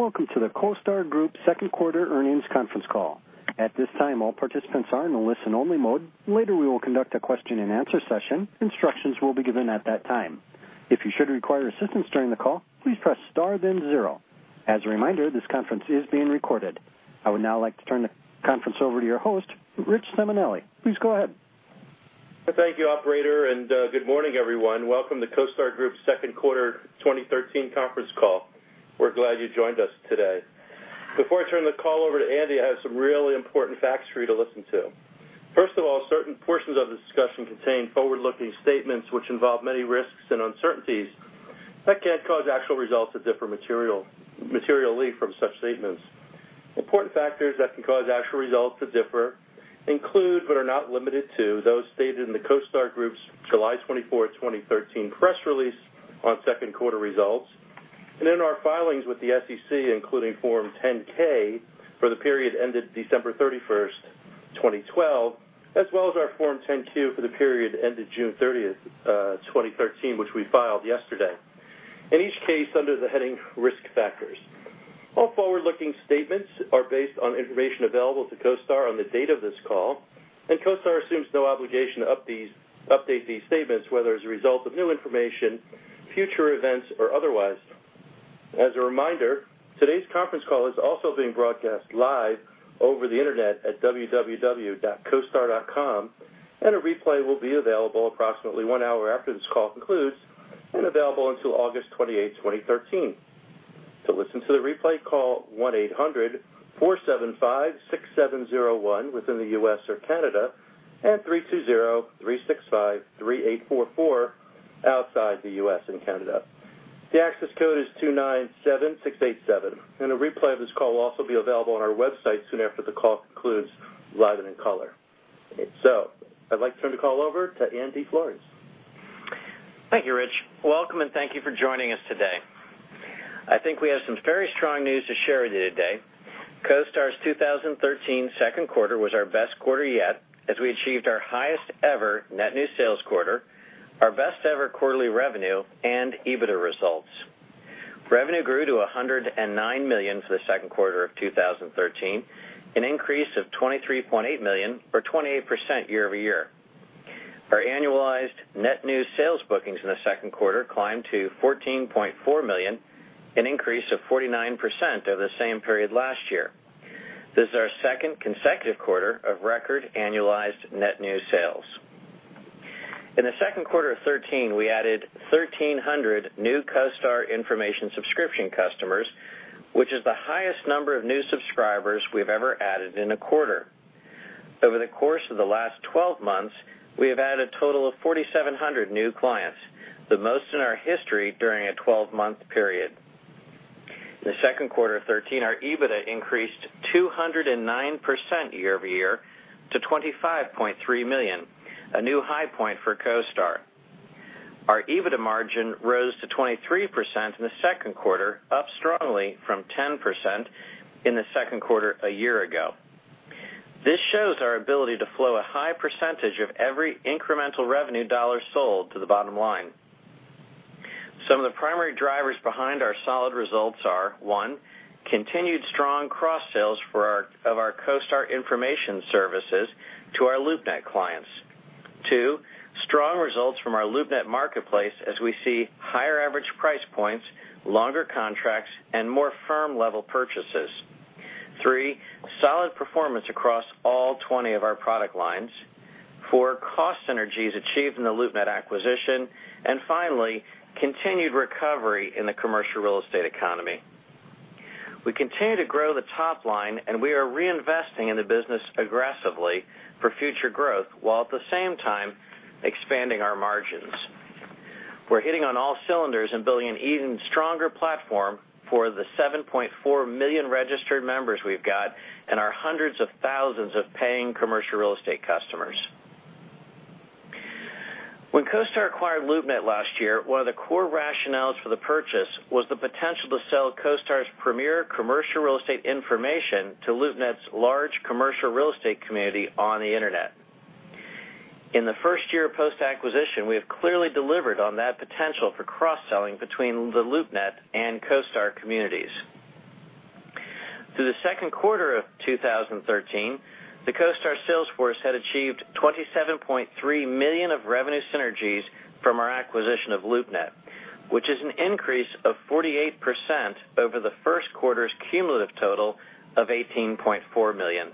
Welcome to the CoStar Group second quarter earnings conference call. At this time, all participants are in a listen-only mode. Later, we will conduct a question-and-answer session. Instructions will be given at that time. If you should require assistance during the call, please press star then zero. As a reminder, this conference is being recorded. I would now like to turn the conference over to your host, Richard Simonelli. Please go ahead. Thank you, operator. Good morning, everyone. Welcome to CoStar Group's second quarter 2013 conference call. We're glad you joined us today. Before I turn the call over to Andy, I have some really important facts for you to listen to. First of all, certain portions of the discussion contain forward-looking statements, which involve many risks and uncertainties that can cause actual results to differ materially from such statements. Important factors that can cause actual results to differ include, but are not limited to, those stated in the CoStar Group's July 24, 2013, press release on second quarter results, and in our filings with the SEC, including Form 10-K for the period ended December 31, 2012, as well as our Form 10-Q for the period ended June 30, 2013, which we filed yesterday, in each case under the heading Risk Factors. All forward-looking statements are based on information available to CoStar on the date of this call. CoStar assumes no obligation to update these statements, whether as a result of new information, future events, or otherwise. As a reminder, today's conference call is also being broadcast live over the internet at www.costar.com. A replay will be available approximately one hour after this call concludes and available until August 28, 2013. To listen to the replay, call 1-800-475-6701 within the U.S. or Canada, and 320-365-3844 outside the U.S. and Canada. The access code is 297687. A replay of this call will also be available on our website soon after the call concludes live and in color. I'd like to turn the call over to Andy Florance. Thank you, Rich. Welcome. Thank you for joining us today. I think we have some very strong news to share with you today. CoStar's 2013 second quarter was our best quarter yet, as we achieved our highest-ever net new sales quarter, our best-ever quarterly revenue and EBITDA results. Revenue grew to $109 million for the second quarter of 2013, an increase of $23.8 million or 28% year-over-year. Our annualized net new sales bookings in the second quarter climbed to $14.4 million, an increase of 49% over the same period last year. This is our second consecutive quarter of record annualized net new sales. In the second quarter of 2013, we added 1,300 new CoStar information subscription customers, which is the highest number of new subscribers we've ever added in a quarter. Over the course of the last 12 months, we have added a total of 4,700 new clients, the most in our history during a 12-month period. In the second quarter of 2013, our EBITDA increased 209% year-over-year to $25.3 million, a new high point for CoStar. Our EBITDA margin rose to 23% in the second quarter, up strongly from 10% in the second quarter a year ago. This shows our ability to flow a high percentage of every incremental revenue dollar sold to the bottom line. Some of the primary drivers behind our solid results are, 1. continued strong cross-sales of our CoStar information services to our LoopNet clients. 2. strong results from our LoopNet marketplace as we see higher average price points, longer contracts, and more firm-level purchases. 3. solid performance across all 20 of our product lines. 4. cost synergies achieved in the LoopNet acquisition. Finally, continued recovery in the commercial real estate economy. We continue to grow the top line, and we are reinvesting in the business aggressively for future growth, while at the same time expanding our margins. We're hitting on all cylinders and building an even stronger platform for the 7.4 million registered members we've got and our hundreds of thousands of paying commercial real estate customers. When CoStar acquired LoopNet last year, one of the core rationales for the purchase was the potential to sell CoStar's premier commercial real estate information to LoopNet's large commercial real estate community on the internet. In the first year post-acquisition, we have clearly delivered on that potential for cross-selling between the LoopNet and CoStar communities. Through the second quarter of 2013, the CoStar sales force had achieved $27.3 million of revenue synergies from our acquisition of LoopNet, which is an increase of 48% over the first quarter's cumulative total of $18.4 million.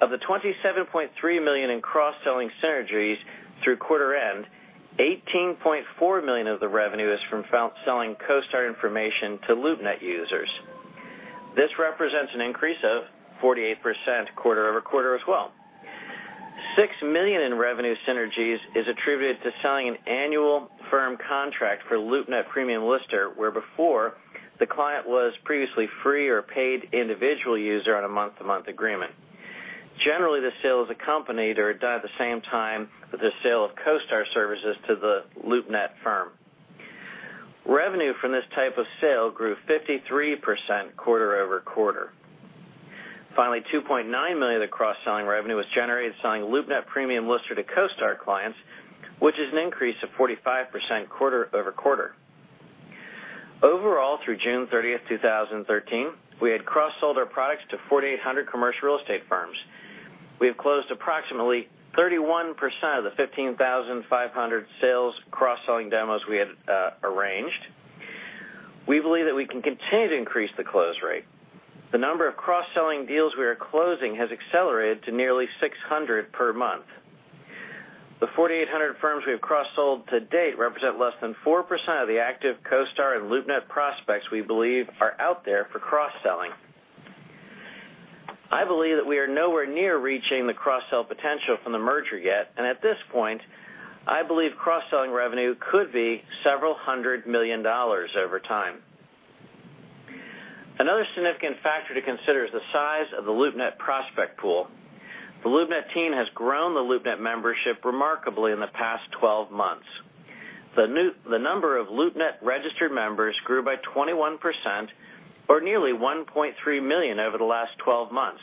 Of the $27.3 million in cross-selling synergies through quarter end, $18.4 million of the revenue is from selling CoStar information to LoopNet users. This represents an increase of 48% quarter-over-quarter as well. $6 million in revenue synergies is attributed to selling an annual firm contract for LoopNet Premium Lister, where before the client was previously free or paid individual user on a month-to-month agreement. Generally, the sale is accompanied or done at the same time with the sale of CoStar services to the LoopNet firm. Revenue from this type of sale grew 53% quarter-over-quarter. Finally, $2.9 million of the cross-selling revenue was generated selling LoopNet Premium Lister to CoStar clients, which is an increase of 45% quarter-over-quarter. Overall, through June 30, 2013, we had cross-sold our products to 4,800 commercial real estate firms. We have closed approximately 31% of the 15,500 sales cross-selling demos we had arranged. We believe that we can continue to increase the close rate. The number of cross-selling deals we are closing has accelerated to nearly 600 per month. The 4,800 firms we have cross-sold to date represent less than 4% of the active CoStar and LoopNet prospects we believe are out there for cross-selling. I believe that we are nowhere near reaching the cross-sell potential from the merger yet, and at this point, I believe cross-selling revenue could be several hundred million dollars over time. Another significant factor to consider is the size of the LoopNet prospect pool. The LoopNet team has grown the LoopNet membership remarkably in the past 12 months. The number of LoopNet registered members grew by 21%, or nearly 1.3 million over the last 12 months,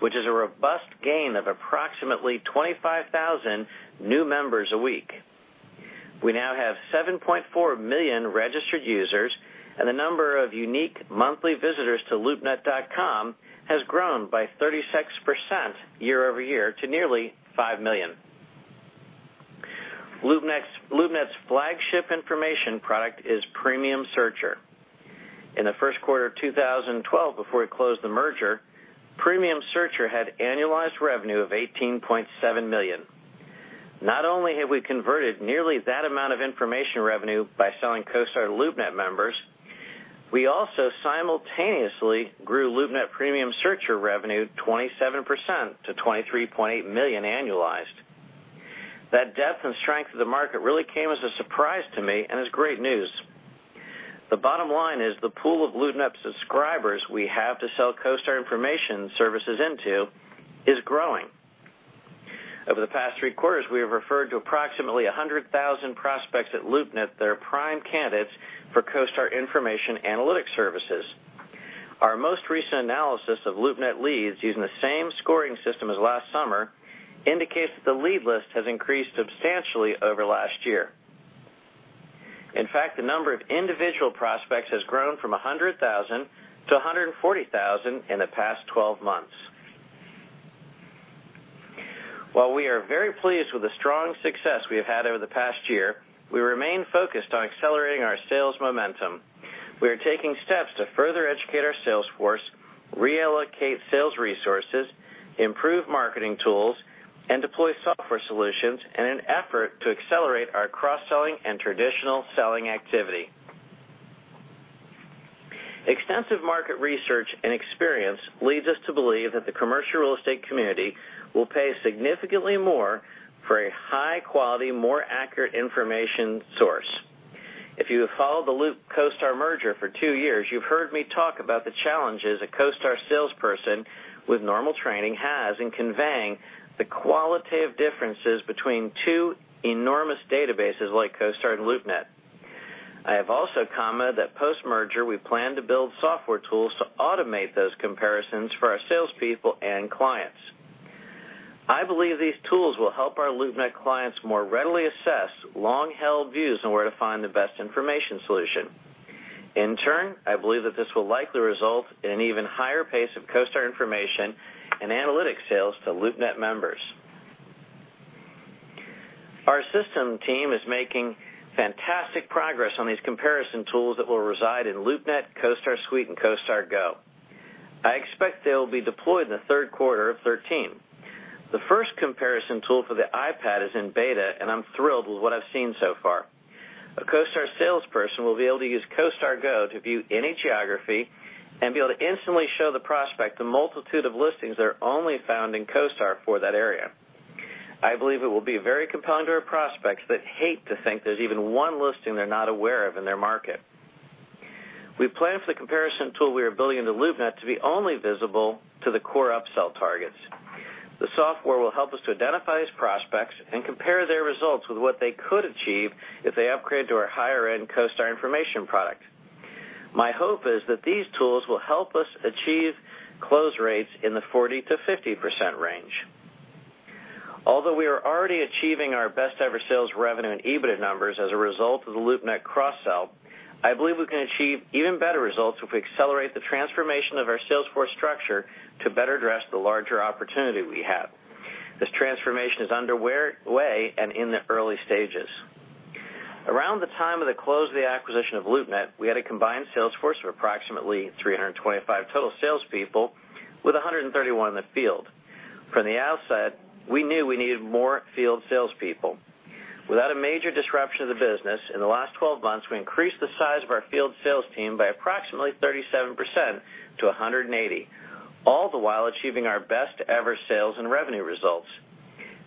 which is a robust gain of approximately 25,000 new members a week. We now have 7.4 million registered users, and the number of unique monthly visitors to LoopNet.com has grown by 36% year over year to nearly 5 million. LoopNet's flagship information product is Premium Searcher. In the first quarter of 2012, before we closed the merger, Premium Searcher had annualized revenue of $18.7 million. Not only have we converted nearly that amount of information revenue by selling CoStar LoopNet members, we also simultaneously grew LoopNet Premium Searcher revenue 27% to $23.8 million annualized. That depth and strength of the market really came as a surprise to me and is great news. The bottom line is the pool of LoopNet subscribers we have to sell CoStar information services into is growing. Over the past three quarters, we have referred to approximately 100,000 prospects at LoopNet that are prime candidates for CoStar information analytic services. Our most recent analysis of LoopNet leads using the same scoring system as last summer indicates that the lead list has increased substantially over last year. In fact, the number of individual prospects has grown from 100,000 to 140,000 in the past 12 months. While we are very pleased with the strong success we have had over the past year, we remain focused on accelerating our sales momentum. We are taking steps to further educate our sales force, reallocate sales resources, improve marketing tools, and deploy software solutions in an effort to accelerate our cross-selling and traditional selling activity. Extensive market research and experience leads us to believe that the commercial real estate community will pay significantly more for a high-quality, more accurate information source. If you have followed the LoopCoStar merger for two years, you've heard me talk about the challenges a CoStar salesperson with normal training has in conveying the qualitative differences between two enormous databases like CoStar and LoopNet. I have also commented that post-merger, we plan to build software tools to automate those comparisons for our salespeople and clients. I believe these tools will help our LoopNet clients more readily assess long-held views on where to find the best information solution. In turn, I believe that this will likely result in an even higher pace of CoStar information and analytics sales to LoopNet members. Our system team is making fantastic progress on these comparison tools that will reside in LoopNet, CoStar Suite, and CoStar Go. I expect they will be deployed in the third quarter of 2013. The first comparison tool for the iPad is in beta, and I'm thrilled with what I've seen so far. A CoStar salesperson will be able to use CoStar Go to view any geography and be able to instantly show the prospect the multitude of listings that are only found in CoStar for that area. I believe it will be very compelling to our prospects that hate to think there's even one listing they're not aware of in their market. We plan for the comparison tool we are building into LoopNet to be only visible to the core upsell targets. The software will help us to identify as prospects and compare their results with what they could achieve if they upgrade to our higher-end CoStar information product. My hope is that these tools will help us achieve close rates in the 40%-50% range. Although we are already achieving our best-ever sales revenue and EBITDA numbers as a result of the LoopNet cross-sell, I believe we can achieve even better results if we accelerate the transformation of our sales force structure to better address the larger opportunity we have. This transformation is underway and in the early stages. Around the time of the close of the acquisition of LoopNet, we had a combined sales force of approximately 325 total salespeople, with 131 in the field. From the outset, we knew we needed more field salespeople. Without a major disruption of the business, in the last 12 months, we increased the size of our field sales team by approximately 37% to 180, all the while achieving our best-ever sales and revenue results.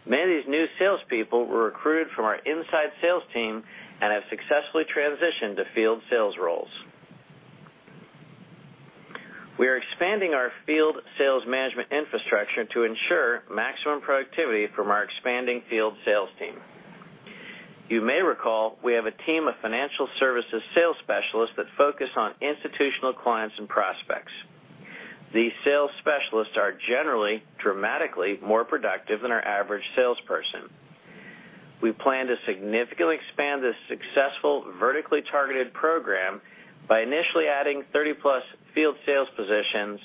Many of these new salespeople were recruited from our inside sales team and have successfully transitioned to field sales roles. We are expanding our field sales management infrastructure to ensure maximum productivity from our expanding field sales team. You may recall we have a team of financial services sales specialists that focus on institutional clients and prospects. These sales specialists are generally dramatically more productive than our average salesperson. We plan to significantly expand this successful vertically targeted program by initially adding 30-plus field sales positions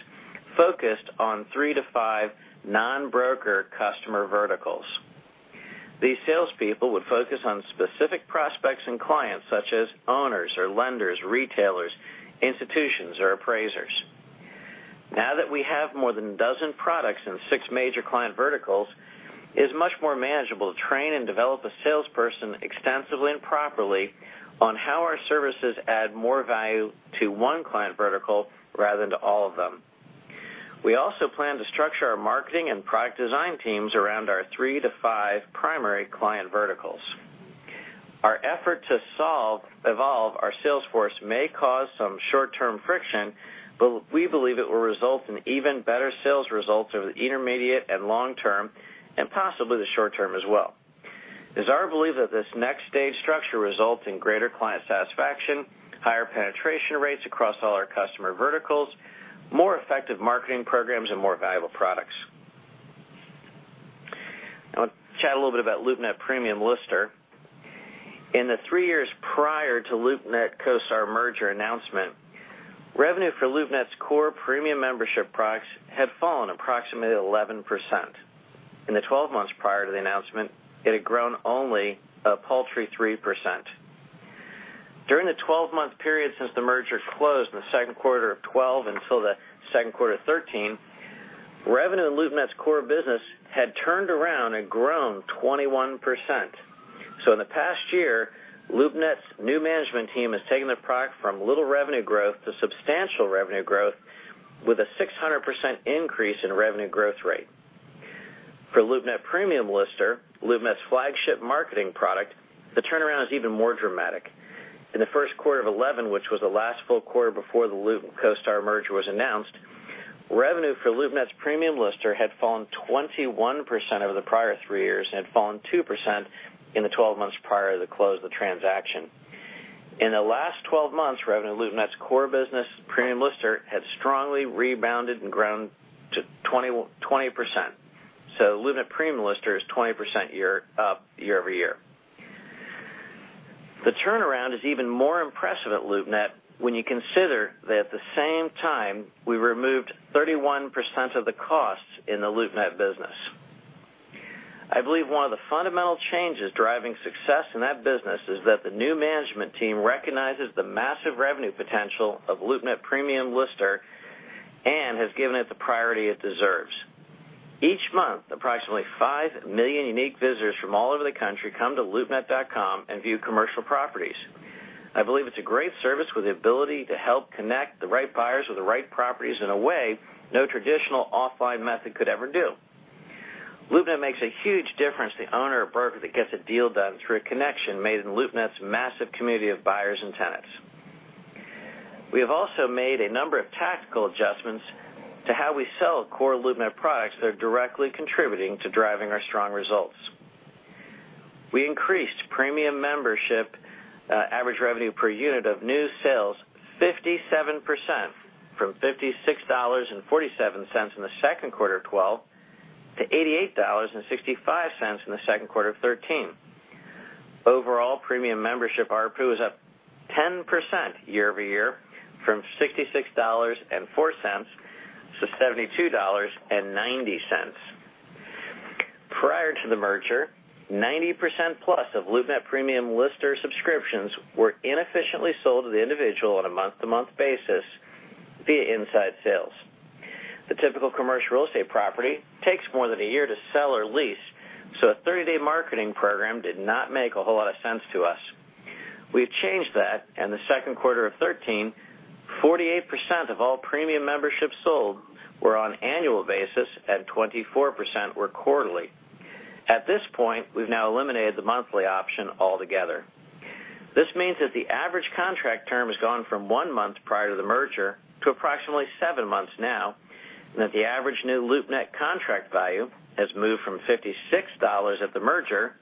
focused on three to five non-broker customer verticals. These salespeople would focus on specific prospects and clients such as owners or lenders, retailers, institutions, or appraisers. Now that we have more than a dozen products in 6 major client verticals, it is much more manageable to train and develop a salesperson extensively and properly on how our services add more value to 1 client vertical rather than to all of them. We also plan to structure our marketing and product design teams around our three to five primary client verticals. Our effort to evolve our sales force may cause some short-term friction. We believe it will result in even better sales results over the intermediate and long term, and possibly the short term as well. It is our belief that this next stage structure results in greater client satisfaction, higher penetration rates across all our customer verticals, more effective marketing programs, and more valuable products. I want to chat a little bit about LoopNet Premium Lister. In the three years prior to LoopNet CoStar merger announcement, revenue for LoopNet's core premium membership products had fallen approximately 11%. In the 12 months prior to the announcement, it had grown only a paltry 3%. During the 12-month period since the merger closed in the second quarter of 2012 until the second quarter of 2013, revenue in LoopNet's core business had turned around and grown 21%. In the past year, LoopNet's new management team has taken the product from little revenue growth to substantial revenue growth with a 600% increase in revenue growth rate. For LoopNet Premium Lister, LoopNet's flagship marketing product, the turnaround is even more dramatic. In the first quarter of 2011, which was the last full quarter before the LoopNet CoStar merger was announced, revenue for LoopNet's Premium Lister had fallen 21% over the prior three years and had fallen 2% in the 12 months prior to the close of the transaction. In the last 12 months, revenue in LoopNet's core business Premium Lister has strongly rebounded and grown to 20%. LoopNet Premium Lister is 20% up year-over-year. The turnaround is even more impressive at LoopNet when you consider that at the same time, we removed 31% of the costs in the LoopNet business. I believe one of the fundamental changes driving success in that business is that the new management team recognizes the massive revenue potential of LoopNet Premium Lister and has given it the priority it deserves. Each month, approximately five million unique visitors from all over the country come to loopnet.com and view commercial properties. I believe it's a great service with the ability to help connect the right buyers with the right properties in a way no traditional offline method could ever do. LoopNet makes a huge difference to the owner or broker that gets a deal done through a connection made in LoopNet's massive community of buyers and tenants. We have also made a number of tactical adjustments to how we sell core LoopNet products that are directly contributing to driving our strong results. We increased premium membership average revenue per unit of new sales 57%, from $56.47 in the second quarter of 2012 to $88.65 in the second quarter of 2013. Overall, premium membership ARPU is up 10% year-over-year from $66.04 to $72.90. Prior to the merger, 90% plus of LoopNet Premium Lister subscriptions were inefficiently sold to the individual on a month-to-month basis via inside sales. The typical commercial real estate property takes more than a year to sell or lease, a 30-day marketing program did not make a whole lot of sense to us. We've changed that, and the second quarter of 2013, 48% of all premium memberships sold were on annual basis, and 24% were quarterly. At this point, we've now eliminated the monthly option altogether. This means that the average contract term has gone from one month prior to the merger to approximately seven months now, and that the average new LoopNet contract value has moved from $56 at the merger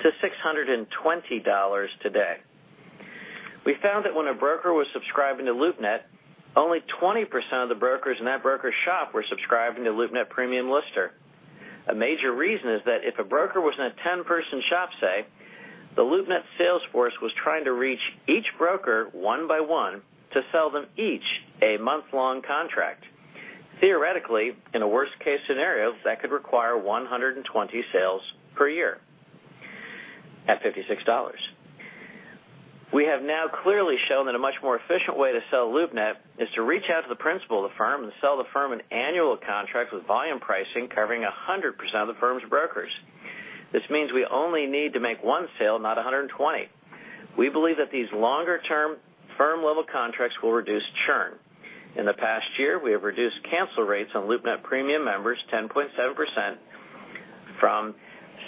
to $620 today. We found that when a broker was subscribing to LoopNet, only 20% of the brokers in that broker shop were subscribing to LoopNet Premium Lister. A major reason is that if a broker was in a 10-person shop, say, the LoopNet sales force was trying to reach each broker one by one to sell them each a month-long contract. Theoretically, in a worst-case scenario, that could require 120 sales per year at $56. We have now clearly shown that a much more efficient way to sell LoopNet is to reach out to the principal of the firm and sell the firm an annual contract with volume pricing covering 100% of the firm's brokers. This means we only need to make one sale, not 120. We believe that these longer-term firm-level contracts will reduce churn. In the past year, we have reduced cancel rates on LoopNet Premium members 10.7%, from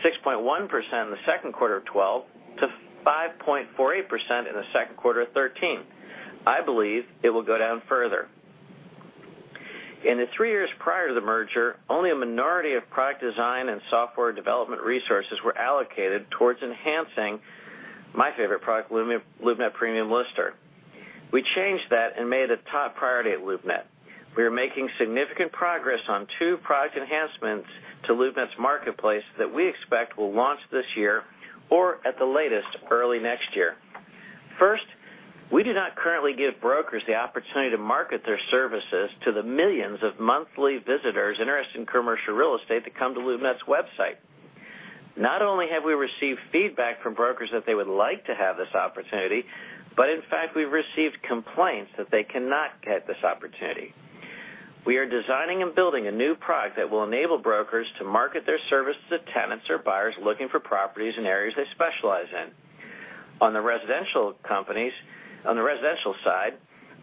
6.1% in the second quarter of 2012 to 5.48% in the second quarter of 2013. I believe it will go down further. In the three years prior to the merger, only a minority of product design and software development resources were allocated towards enhancing my favorite product, LoopNet Premium Lister. We changed that and made it a top priority at LoopNet. We are making significant progress on two product enhancements to LoopNet's marketplace that we expect will launch this year or at the latest, early next year. First, we do not currently give brokers the opportunity to market their services to the millions of monthly visitors interested in commercial real estate that come to LoopNet's website. Not only have we received feedback from brokers that they would like to have this opportunity, in fact, we've received complaints that they cannot get this opportunity. We are designing and building a new product that will enable brokers to market their service to tenants or buyers looking for properties in areas they specialize in. On the residential side,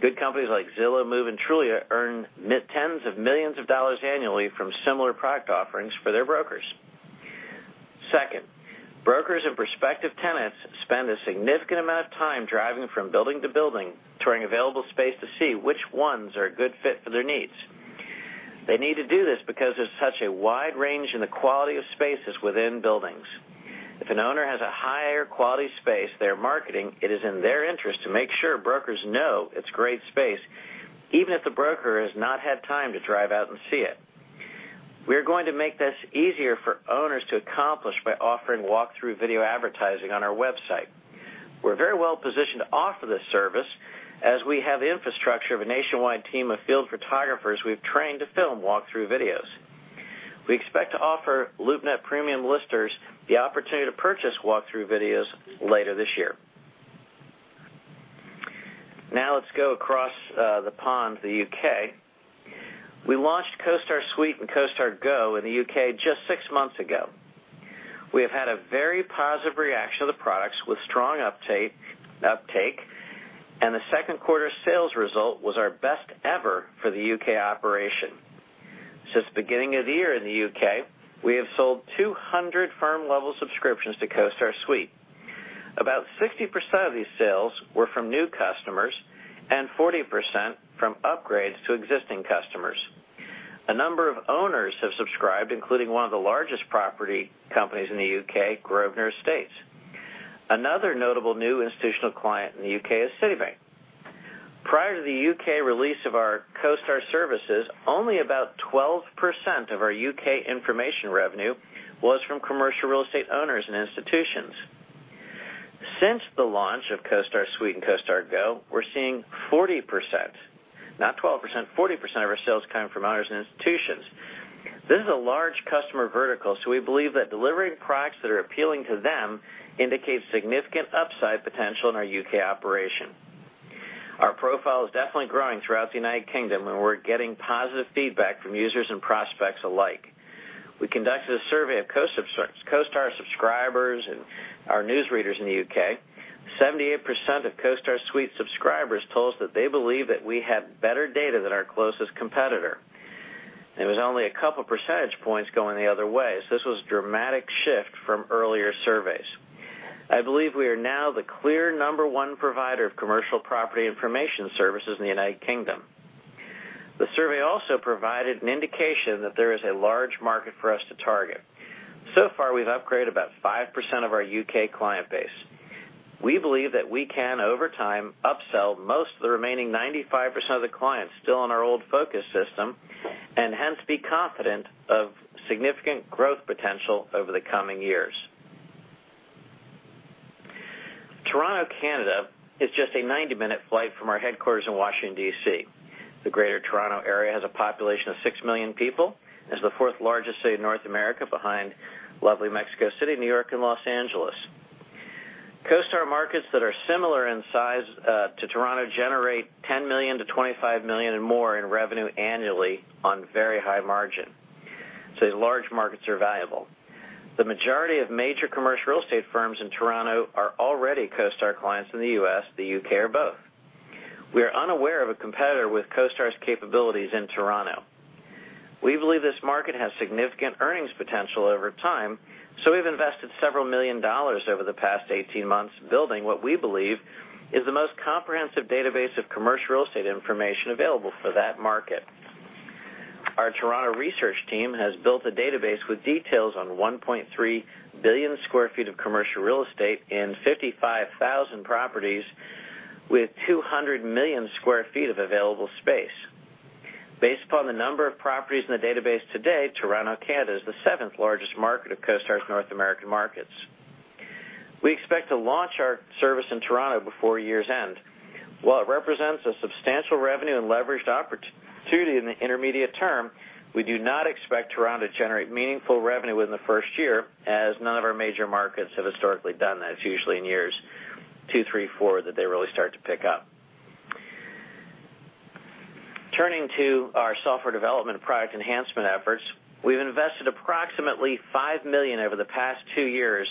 good companies like Zillow, Move, and Trulia earn tens of millions of dollars annually from similar product offerings for their brokers. Second, brokers and prospective tenants spend a significant amount of time driving from building to building, touring available space to see which ones are a good fit for their needs. They need to do this because there's such a wide range in the quality of spaces within buildings. If an owner has a higher-quality space they're marketing, it is in their interest to make sure brokers know it's a great space, even if the broker has not had time to drive out and see it. We are going to make this easier for owners to accomplish by offering walk-through video advertising on our website. We're very well-positioned to offer this service, as we have the infrastructure of a nationwide team of field photographers we've trained to film walk-through videos. We expect to offer LoopNet Premium Listers the opportunity to purchase walk-through videos later this year. Now let's go across the pond to the U.K. We launched CoStar Suite and CoStar Go in the U.K. just six months ago. We have had a very positive reaction to the products with strong uptake, and the second quarter sales result was our best ever for the U.K. operation. Since the beginning of the year in the U.K., we have sold 200 firm-level subscriptions to CoStar Suite. About 60% of these sales were from new customers and 40% from upgrades to existing customers. A number of owners have subscribed, including one of the largest property companies in the U.K., Grosvenor Estates. Another notable new institutional client in the U.K. is Citibank. Prior to the U.K. release of our CoStar services, only about 12% of our U.K. information revenue was from commercial real estate owners and institutions. Since the launch of CoStar Suite and CoStar Go, we're seeing 40%, not 12%, 40% of our sales coming from owners and institutions. This is a large customer vertical, so we believe that delivering products that are appealing to them indicates significant upside potential in our U.K. operation. Our profile is definitely growing throughout the U.K., and we're getting positive feedback from users and prospects alike. We conducted a survey of CoStar subscribers and our news readers in the U.K. 78% of CoStar Suite subscribers told us that they believe that we have better data than our closest competitor. There was only a couple percentage points going the other way, this was a dramatic shift from earlier surveys. I believe we are now the clear number one provider of commercial property information services in the U.K. The survey also provided an indication that there is a large market for us to target. So far, we've upgraded about 5% of our U.K. client base. We believe that we can, over time, upsell most of the remaining 95% of the clients still on our old FOCUS system, hence, be confident of significant growth potential over the coming years. Toronto, Canada, is just a 90-minute flight from our headquarters in Washington, D.C. The greater Toronto area has a population of 6 million people and is the fourth-largest city in North America behind lovely Mexico City, New York, and L.A. CoStar markets that are similar in size to Toronto generate $10 million-$25 million or more in revenue annually on very high margin. Large markets are valuable. The majority of major commercial real estate firms in Toronto are already CoStar clients in the U.S., the U.K., or both. We are unaware of a competitor with CoStar's capabilities in Toronto. We believe this market has significant earnings potential over time, we've invested several million dollars over the past 18 months building what we believe is the most comprehensive database of commercial real estate information available for that market. Our Toronto research team has built a database with details on 1.3 billion sq ft of commercial real estate in 55,000 properties with 200 million sq ft of available space. Based upon the number of properties in the database today, Toronto, Canada, is the seventh-largest market of CoStar's North American markets. We expect to launch our service in Toronto before year's end. While it represents a substantial revenue and leverage opportunity in the intermediate term, we do not expect Toronto to generate meaningful revenue within the first year, as none of our major markets have historically done that. It's usually in years two, three, four that they really start to pick up. Turning to our software development and product enhancement efforts, we've invested approximately $5 million over the past two years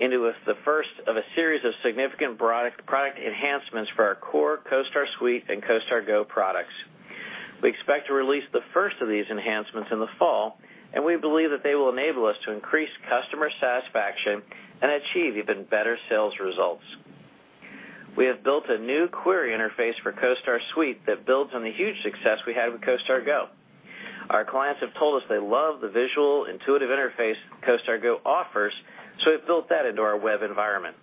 into the first of a series of significant product enhancements for our core CoStar Suite and CoStar Go products. We expect to release the first of these enhancements in the fall, we believe that they will enable us to increase customer satisfaction and achieve even better sales results. We have built a new query interface for CoStar Suite that builds on the huge success we had with CoStar Go. Our clients have told us they love the visual, intuitive interface CoStar Go offers, we've built that into our web environment.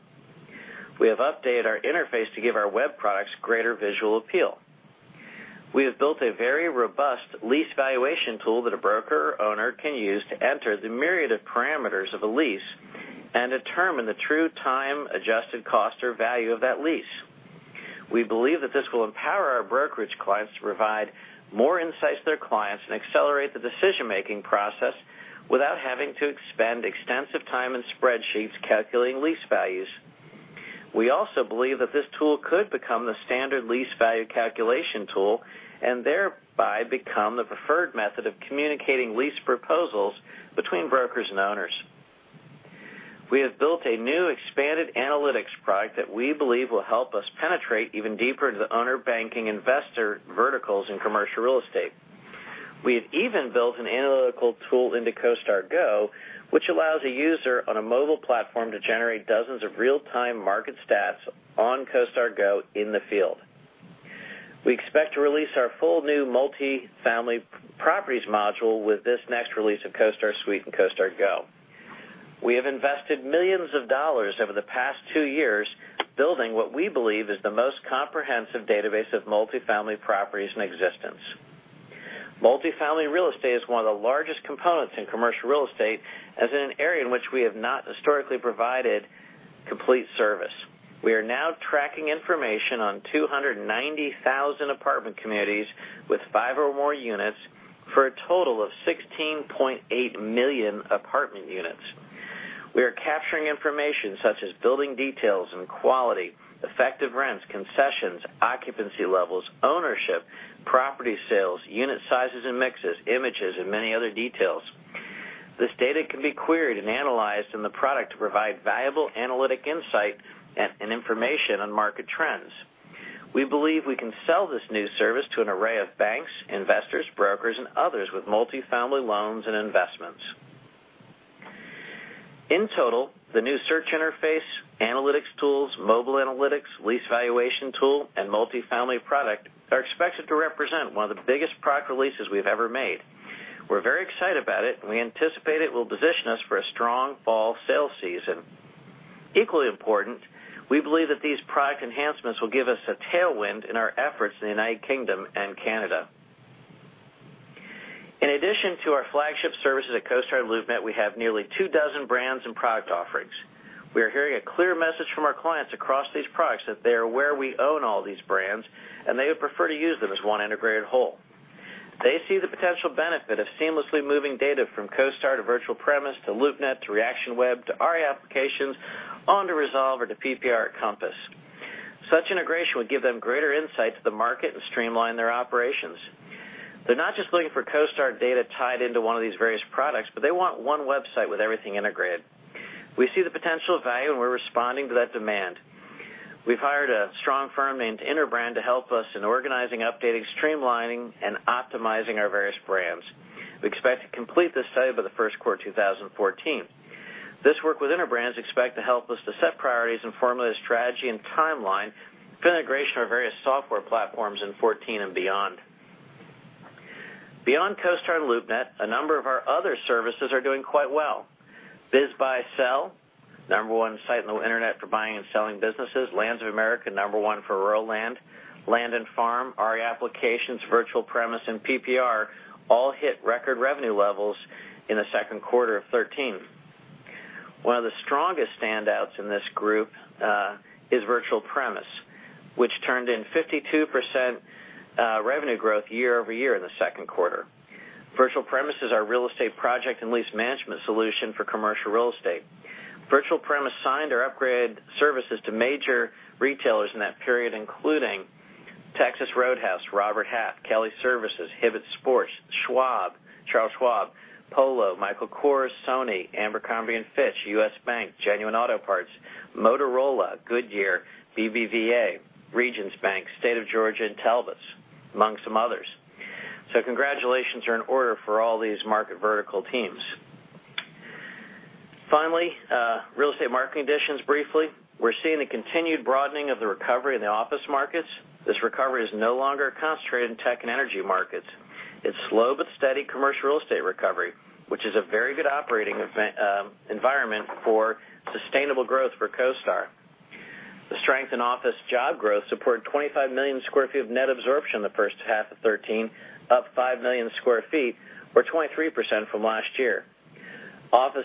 We have updated our interface to give our web products greater visual appeal. We have built a very robust lease valuation tool that a broker or owner can use to enter the myriad of parameters of a lease and determine the true time-adjusted cost or value of that lease. We believe that this will empower our brokerage clients to provide more insights to their clients and accelerate the decision-making process without having to expend extensive time in spreadsheets calculating lease values. We also believe that this tool could become the standard lease value calculation tool, and thereby become the preferred method of communicating lease proposals between brokers and owners. We have built a new expanded analytics product that we believe will help us penetrate even deeper into the owner banking investor verticals in commercial real estate. We have even built an analytical tool into CoStar Go, which allows a user on a mobile platform to generate dozens of real-time market stats on CoStar Go in the field. We expect to release our full new multifamily properties module with this next release of CoStar Suite and CoStar Go. We have invested $millions over the past two years building what we believe is the most comprehensive database of multifamily properties in existence. Multifamily real estate is one of the largest components in commercial real estate, as in an area in which we have not historically provided complete service. We are now tracking information on 290,000 apartment communities with five or more units for a total of 16.8 million apartment units. We are capturing information such as building details and quality, effective rents, concessions, occupancy levels, ownership, property sales, unit sizes and mixes, images, and many other details. This data can be queried and analyzed in the product to provide valuable analytic insight and information on market trends. We believe we can sell this new service to an array of banks, investors, brokers, and others with multifamily loans and investments. In total, the new search interface, analytics tools, mobile analytics, lease valuation tool, and multifamily product are expected to represent one of the biggest product releases we've ever made. We're very excited about it, and we anticipate it will position us for a strong fall sales season. Equally important, we believe that these product enhancements will give us a tailwind in our efforts in the United Kingdom and Canada. In addition to our flagship services at CoStar LoopNet, we have nearly two dozen brands and product offerings. We are hearing a clear message from our clients across these products that they are aware we own all these brands, and they would prefer to use them as one integrated whole. They see the potential benefit of seamlessly moving data from CoStar to Virtual Premise to LoopNet to ReactionWeb to REApplications, onto Resolve or to PPR Compass. Such integration would give them greater insight to the market and streamline their operations. They're not just looking for CoStar data tied into one of these various products, but they want one website with everything integrated. We see the potential value, and we're responding to that demand. We've hired a strong firm named Interbrand to help us in organizing, updating, streamlining, and optimizing our various brands. We expect to complete this study by the first quarter of 2014. This work with Interbrand is expected to help us to set priorities and formulate a strategy and timeline for integration of our various software platforms in 2014 and beyond. Beyond CoStar and LoopNet, a number of our other services are doing quite well. BizBuySell, number one site on the internet for buying and selling businesses. Lands of America, number one for rural land. Land and Farm, REApplications, Virtual Premise, and PPR all hit record revenue levels in the second quarter of 2013. One of the strongest standouts in this group is Virtual Premise, which turned in 52% revenue growth year-over-year in the second quarter. Virtual Premise is our real estate project and lease management solution for commercial real estate. Virtual Premise signed or upgraded services to major retailers in that period, including Texas Roadhouse, Robert Half, Kelly Services, Hibbett Sports, Schwab, Charles Schwab, Polo, Michael Kors, Sony, Abercrombie & Fitch, U.S. Bank, Genuine Parts Company, Motorola, Goodyear, BBVA, Regions Bank, State of Georgia, and TELUS, among some others. Congratulations are in order for all these market vertical teams. Finally, real estate market conditions briefly. We're seeing a continued broadening of the recovery in the office markets. This recovery is no longer concentrated in tech and energy markets. It's slow but steady commercial real estate recovery, which is a very good operating environment for sustainable growth for CoStar. The strength in office job growth supported 25 million square feet of net absorption in the first half of 2013, up 5 million square feet or 23% from last year. Office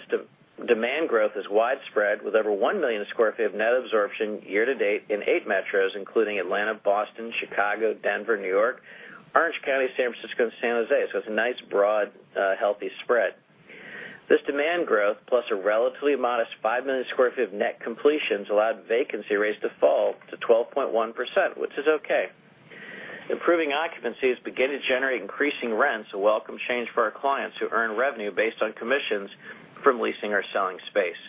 demand growth is widespread with over 1 million square feet of net absorption year-to-date in eight metros, including Atlanta, Boston, Chicago, Denver, New York, Orange County, San Francisco, and San Jose. It's a nice, broad, healthy spread. This demand growth, plus a relatively modest 5 million square feet of net completions, allowed vacancy rates to fall to 12.1%, which is okay. Improving occupancies begin to generate increasing rents, a welcome change for our clients who earn revenue based on commissions from leasing or selling space.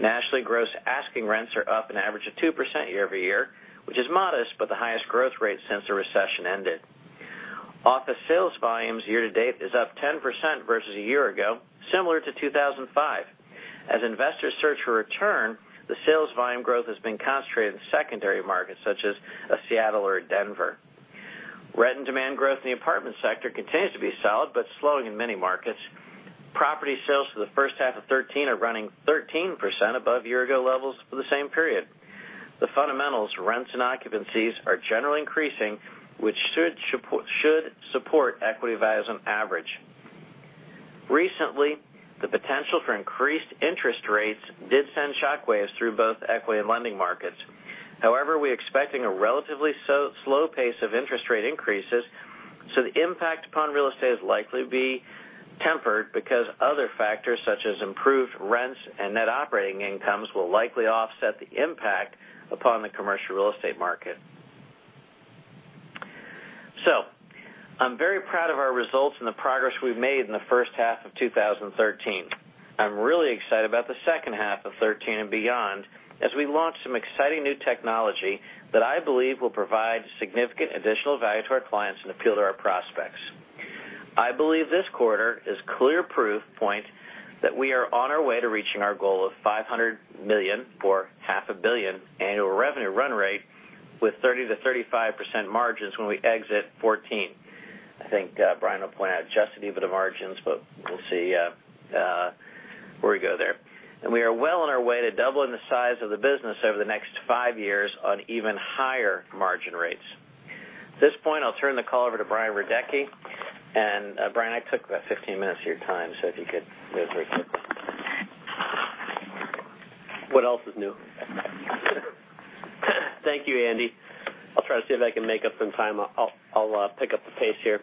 Nationally, gross asking rents are up an average of 2% year-over-year, which is modest, but the highest growth rate since the recession ended. Office sales volumes year-to-date is up 10% versus a year ago, similar to 2005. As investors search for return, the sales volume growth has been concentrated in secondary markets such as Seattle or Denver. Rent and demand growth in the apartment sector continues to be solid but slowing in many markets. Property sales for the first half of 2013 are running 13% above year-ago levels for the same period. The fundamentals, rents, and occupancies are generally increasing, which should support equity values on average. We're expecting a relatively slow pace of interest rate increases, so the impact upon real estate is likely be tempered because other factors such as improved rents and net operating incomes will likely offset the impact upon the commercial real estate market. I'm very proud of our results and the progress we've made in the first half of 2013. I'm really excited about the second half of 2013 and beyond, as we launch some exciting new technology that I believe will provide significant additional value to our clients and appeal to our prospects. I believe this quarter is clear proof point that we are on our way to reaching our goal of $500 million or half a billion annual revenue run rate with 30%-35% margins when we exit 2014. I think Brian will point out adjusted EBITDA margins, but we'll see where we go there. We are well on our way to doubling the size of the business over the next five years on even higher margin rates. At this point, I'll turn the call over to Brian Radecki. Brian, I took about 15 minutes of your time, so if you could go through it quickly. What else is new? Thank you, Andy. I'll try to see if I can make up some time. I'll pick up the pace here.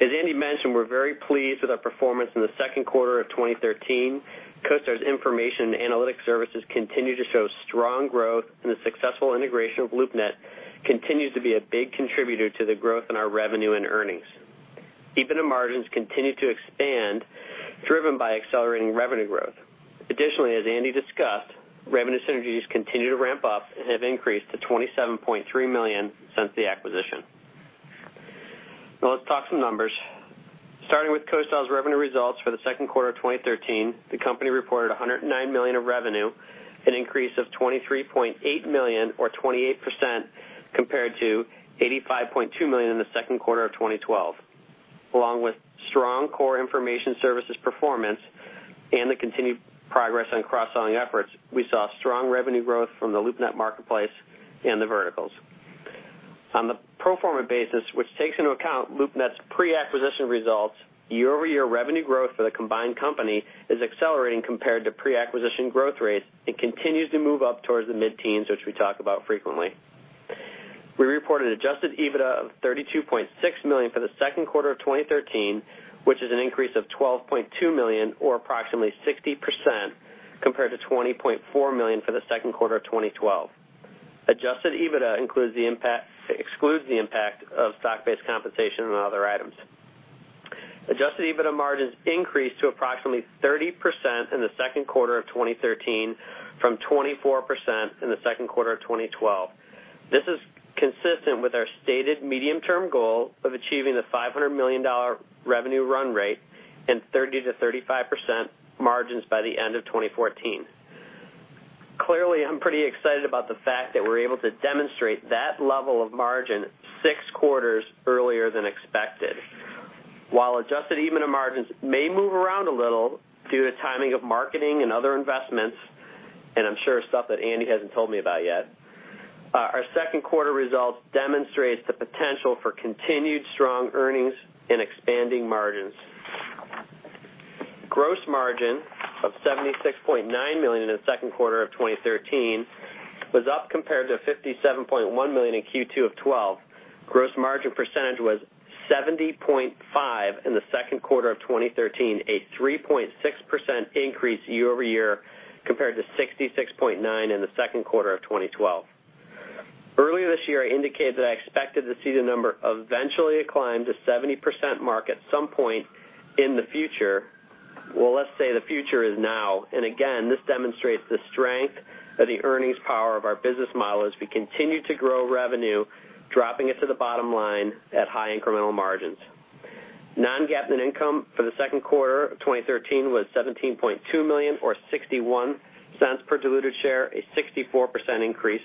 As Andy mentioned, we're very pleased with our performance in the second quarter of 2013. CoStar's information and analytics services continue to show strong growth, and the successful integration of LoopNet continues to be a big contributor to the growth in our revenue and earnings. EBITDA margins continue to expand, driven by accelerating revenue growth. Additionally, as Andy discussed, revenue synergies continue to ramp up and have increased to $27.3 million since the acquisition. Now let's talk some numbers. Starting with CoStar's revenue results for the second quarter of 2013, the company reported $109 million of revenue, an increase of $23.8 million or 28% compared to $85.2 million in the second quarter of 2012. Along with strong core information services performance and the continued progress on cross-selling efforts, we saw strong revenue growth from the LoopNet marketplace and the verticals. On the pro forma basis, which takes into account LoopNet's pre-acquisition results, year-over-year revenue growth for the combined company is accelerating compared to pre-acquisition growth rates and continues to move up towards the mid-teens, which we talk about frequently. We reported adjusted EBITDA of $32.6 million for the second quarter of 2013, which is an increase of $12.2 million or approximately 60% compared to $20.4 million for the second quarter of 2012. Adjusted EBITDA excludes the impact of stock-based compensation and other items. Adjusted EBITDA margins increased to approximately 30% in the second quarter of 2013 from 24% in the second quarter of 2012. This is consistent with our stated medium-term goal of achieving the $500 million revenue run rate and 30%-35% margins by the end of 2014. Clearly, I'm pretty excited about the fact that we're able to demonstrate that level of margin six quarters earlier than expected. While adjusted EBITDA margins may move around a little due to timing of marketing and other investments, and I'm sure stuff that Andy hasn't told me about yet, our second quarter results demonstrates the potential for continued strong earnings and expanding margins. Gross margin of $76.9 million in the second quarter of 2013 was up compared to $57.1 million in Q2 of 2012. Gross margin percentage was 70.5% in the second quarter of 2013, a 3.6% increase year-over-year compared to 66.9% in the second quarter of 2012. Earlier this year, I indicated that I expected to see the number eventually climb to 70% mark at some point in the future. Well, let's say the future is now. Again, this demonstrates the strength of the earnings power of our business model as we continue to grow revenue, dropping it to the bottom line at high incremental margins. Non-GAAP net income for the second quarter of 2013 was $17.2 million or $0.61 per diluted share, a 64% increase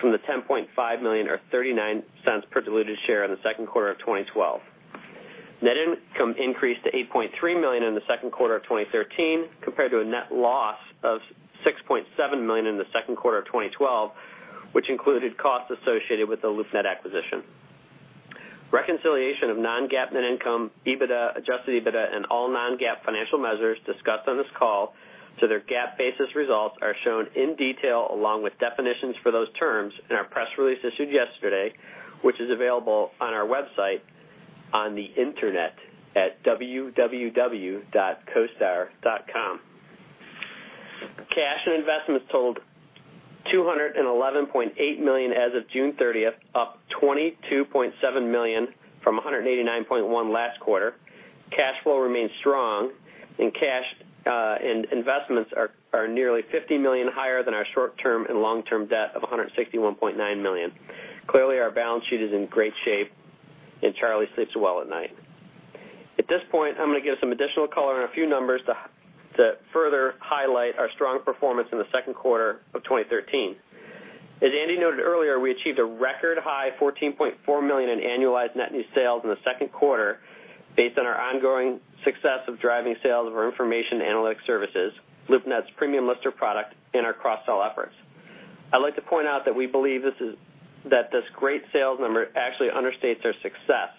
from the $10.5 million or $0.39 per diluted share in the second quarter of 2012. Net income increased to $8.3 million in the second quarter of 2013 compared to a net loss of $6.7 million in the second quarter of 2012, which included costs associated with the LoopNet acquisition. Reconciliation of non-GAAP net income, EBITDA, adjusted EBITDA, and all non-GAAP financial measures discussed on this call to their GAAP-basis results are shown in detail along with definitions for those terms in our press release issued yesterday, which is available on our website on the Internet at www.costar.com. Cash and investments totaled $211.8 million as of June 30th, up $22.7 million from $189.1 million last quarter. Cash flow remains strong, Cash and investments are nearly $50 million higher than our short-term and long-term debt of $161.9 million. Clearly, our balance sheet is in great shape, and Charlie sleeps well at night. At this point, I'm going to give some additional color on a few numbers to further highlight our strong performance in the second quarter of 2013. As Andy noted earlier, we achieved a record high $14.4 million in annualized net new sales in the second quarter based on our ongoing success of driving sales of our information analytics services, LoopNet's Premium Lister product, and our cross-sell efforts. I'd like to point out that we believe that this great sales number actually understates our success.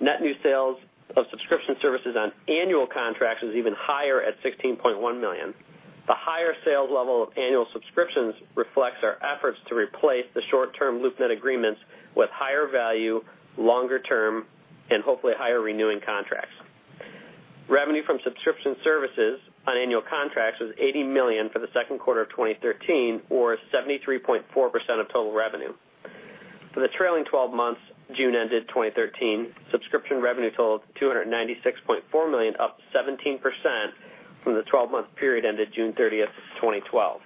Net new sales of subscription services on annual contracts is even higher at $16.1 million. The higher sales level of annual subscriptions reflects our efforts to replace the short-term LoopNet agreements with higher value, longer term, and hopefully higher renewing contracts. Revenue from subscription services on annual contracts was $80 million for the second quarter of 2013 or 73.4% of total revenue. For the trailing 12 months, June ended 2013, subscription revenue totaled $296.4 million, up 17% from the 12-month period ended June 30th, 2012.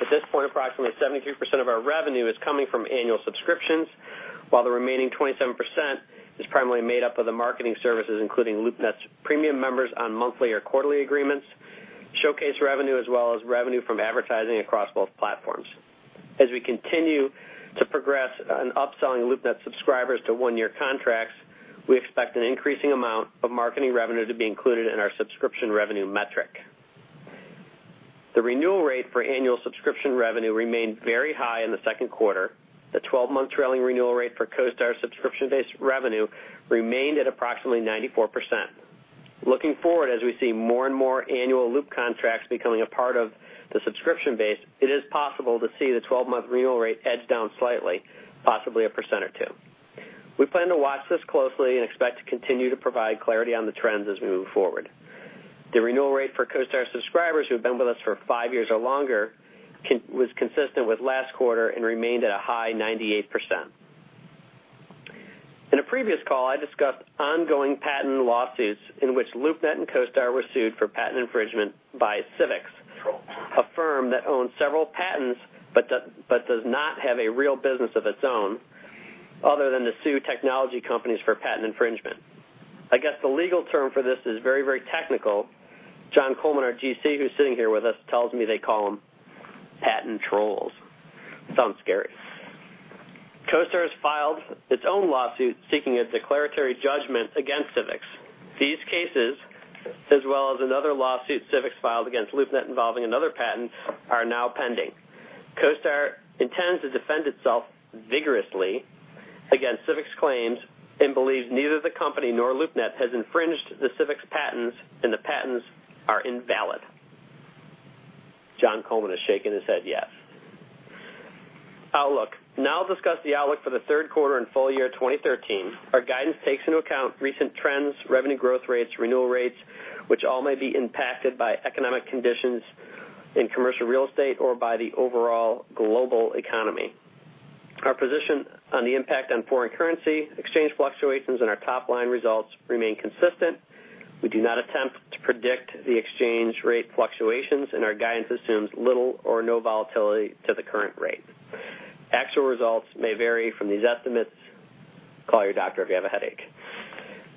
At this point, approximately 73% of our revenue is coming from annual subscriptions, while the remaining 27% is primarily made up of the marketing services, including LoopNet's premium members on monthly or quarterly agreements, showcase revenue, as well as revenue from advertising across both platforms. As we continue to progress on upselling LoopNet subscribers to one-year contracts, we expect an increasing amount of marketing revenue to be included in our subscription revenue metric. The renewal rate for annual subscription revenue remained very high in the second quarter. The 12-month trailing renewal rate for CoStar subscription-based revenue remained at approximately 94%. Looking forward, as we see more and more annual Loop contracts becoming a part of the subscription base, it is possible to see the 12-month renewal rate edge down slightly, possibly a percent or two. We plan to watch this closely and expect to continue to provide clarity on the trends as we move forward. The renewal rate for CoStar subscribers who've been with us for five years or longer was consistent with last quarter and remained at a high 98%. In a previous call, I discussed ongoing patent lawsuits in which LoopNet and CoStar were sued for patent infringement by Civix, a firm that owns several patents but does not have a real business of its own other than to sue technology companies for patent infringement. I guess the legal term for this is very, very technical. Jon Coleman, our GC, who's sitting here with us, tells me they call them patent trolls. Sounds scary. CoStar has filed its own lawsuit seeking a declaratory judgment against Civix. These cases, as well as another lawsuit Civix filed against LoopNet involving another patent, are now pending. CoStar intends to defend itself vigorously against Civix claims and believes neither the company nor LoopNet has infringed the Civix patents, and the patents are invalid. Jon Coleman has shaken his head yes. Outlook. Now I'll discuss the outlook for the third quarter and full year 2013. Our guidance takes into account recent trends, revenue growth rates, renewal rates, which all may be impacted by economic conditions in commercial real estate or by the overall global economy. Our position on the impact on foreign currency exchange fluctuations and our top-line results remain consistent. We do not attempt to predict the exchange rate fluctuations, and our guidance assumes little or no volatility to the current rate. Actual results may vary from these estimates. Call your doctor if you have a headache.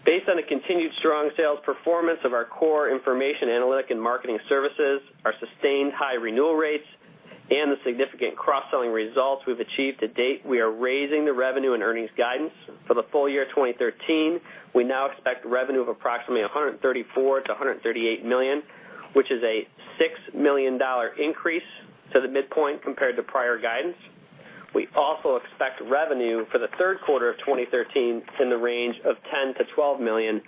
Based on a continued strong sales performance of our core information analytic and marketing services, our sustained high renewal rates, and the significant cross-selling results we've achieved to date, we are raising the revenue and earnings guidance. For the full year 2013, we now expect revenue of approximately $134 million-$138 million, which is a $6 million increase to the midpoint compared to prior guidance. We also expect revenue for the third quarter of 2013 in the range of $10 million-$12 million,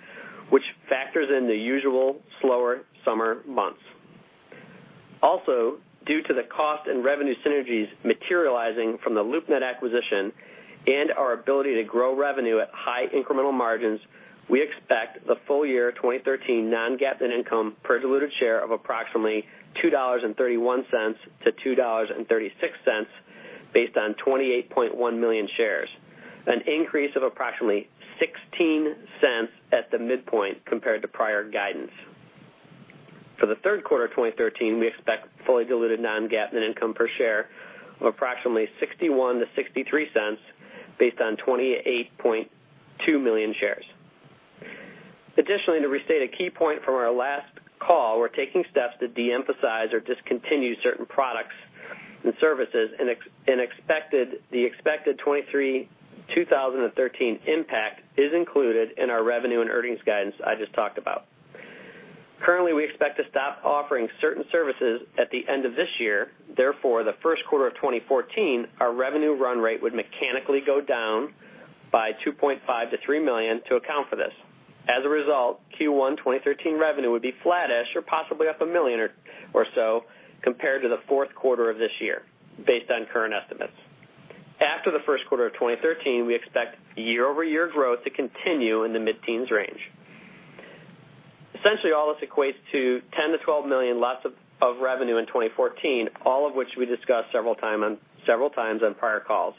which factors in the usual slower summer months. Due to the cost and revenue synergies materializing from the LoopNet acquisition and our ability to grow revenue at high incremental margins, we expect the full year 2013 non-GAAP net income per diluted share of approximately $2.31-$2.36 based on 28.1 million shares, an increase of approximately $0.16 at the midpoint compared to prior guidance. For the third quarter of 2013, we expect fully diluted non-GAAP net income per share of approximately $0.61-$0.63 based on 28.2 million shares. To restate a key point from our last call, we're taking steps to de-emphasize or discontinue certain products and services, and the expected 2013 impact is included in our revenue and earnings guidance I just talked about. Currently, we expect to stop offering certain services at the end of this year, therefore, the first quarter of 2014, our revenue run rate would mechanically go down by $2.5 million-$3 million to account for this. As a result, Q1 2013 revenue would be flat-ish or possibly up $1 million or so compared to the fourth quarter of this year based on current estimates. After the first quarter of 2013, we expect year-over-year growth to continue in the mid-teens range. Essentially, all this equates to $10 million-$12 million less of revenue in 2014, all of which we discussed several times on prior calls.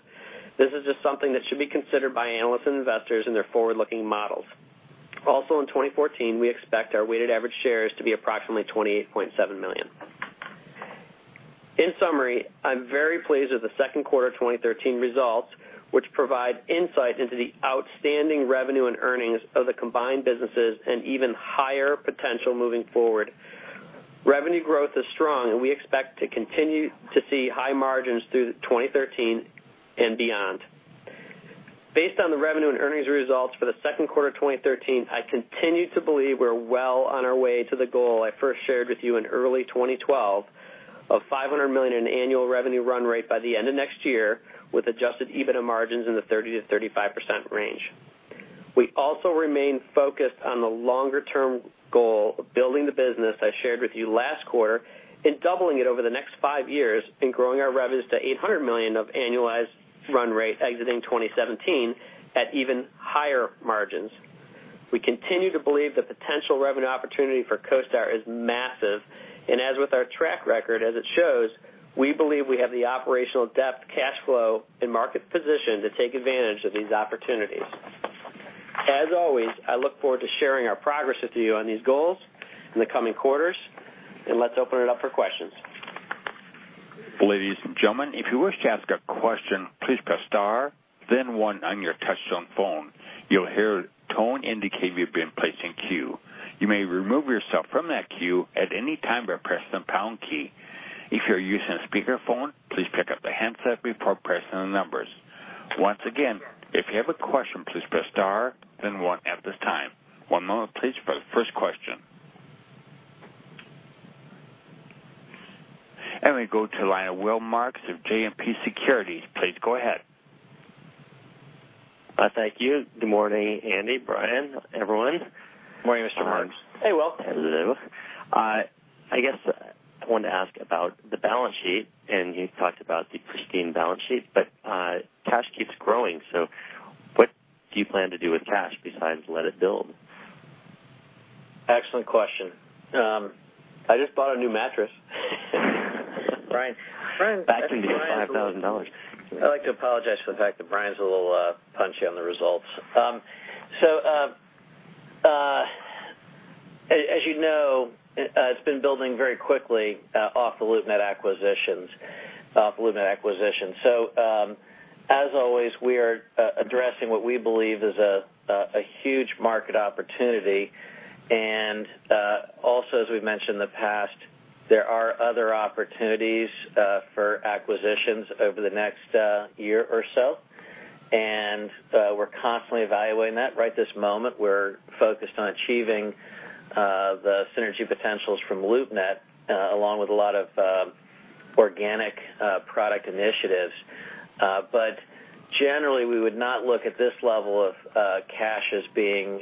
This is just something that should be considered by analysts and investors in their forward-looking models. Also in 2014, we expect our weighted average shares to be approximately 28.7 million. In summary, I'm very pleased with the second quarter 2013 results, which provide insight into the outstanding revenue and earnings of the combined businesses and even higher potential moving forward. Revenue growth is strong. We expect to continue to see high margins through 2013 and beyond. Based on the revenue and earnings results for the second quarter 2013, I continue to believe we're well on our way to the goal I first shared with you in early 2012 of $500 million in annual revenue run rate by the end of next year, with adjusted EBITDA margins in the 30%-35% range. We also remain focused on the longer-term goal of building the business I shared with you last quarter and doubling it over the next five years and growing our revenues to $800 million of annualized run rate exiting 2017 at even higher margins. We continue to believe the potential revenue opportunity for CoStar is massive. As with our track record as it shows, we believe we have the operational depth, cash flow, and market position to take advantage of these opportunities. As always, I look forward to sharing our progress with you on these goals in the coming quarters. Let's open it up for questions. Ladies and gentlemen, if you wish to ask a question, please press star then one on your touchtone phone. You'll hear a tone indicate you've been placed in queue. You may remove yourself from that queue at any time by pressing the pound key. If you're using a speakerphone, please pick up the handset before pressing the numbers. Once again, if you have a question, please press star then one at this time. One moment please for the first question. We go to the line of Will Marks of JMP Securities. Please go ahead. Thank you. Good morning, Andy, Brian, everyone. Morning, Mr. Marks. Hey, Will. Hello. I guess I wanted to ask about the balance sheet. You talked about the pristine balance sheet, but cash keeps growing. What do you plan to do with cash besides let it build? Excellent question. I just bought a new mattress. Right. Back to you, $5,000. I'd like to apologize for the fact that Brian's a little punchy on the results. As you know, it's been building very quickly off the LoopNet acquisition. As always, we are addressing what we believe is a huge market opportunity, and also as we've mentioned in the past, there are other opportunities for acquisitions over the next year or so. We're constantly evaluating that. Right this moment, we're focused on achieving the synergy potentials from LoopNet, along with a lot of organic product initiatives. Generally, we would not look at this level of cash as being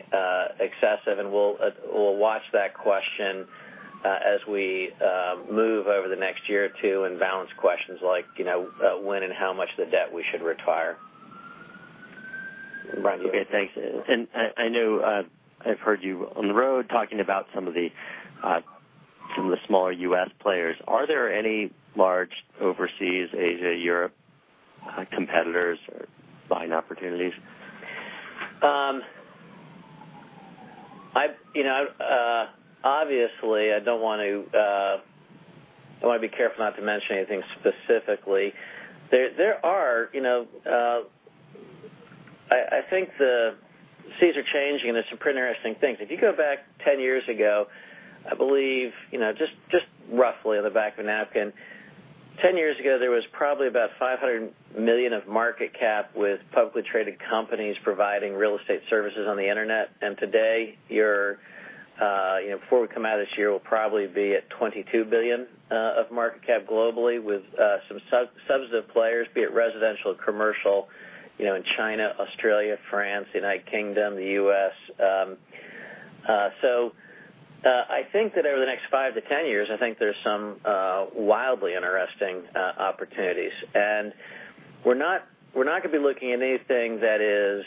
excessive, and we'll watch that question as we move over the next year or two and balance questions like when and how much of the debt we should retire. Okay, thanks. I know I've heard you on the road talking about some of the smaller U.S. players. Are there any large overseas, Asia, Europe competitors or buying opportunities? Obviously, I want to be careful not to mention anything specifically. I think the seas are changing, and there's some pretty interesting things. If you go back 10 years ago, I believe, just roughly on the back of a napkin, 10 years ago, there was probably about $500 million of market cap with publicly traded companies providing real estate services on the internet. Today, before we come out of this year, we'll probably be at $22 billion of market cap globally with some substantive players, be it residential or commercial, in China, Australia, France, the United Kingdom, the U.S. I think that over the next 5 to 10 years, I think there's some wildly interesting opportunities. We're not going to be looking at anything that is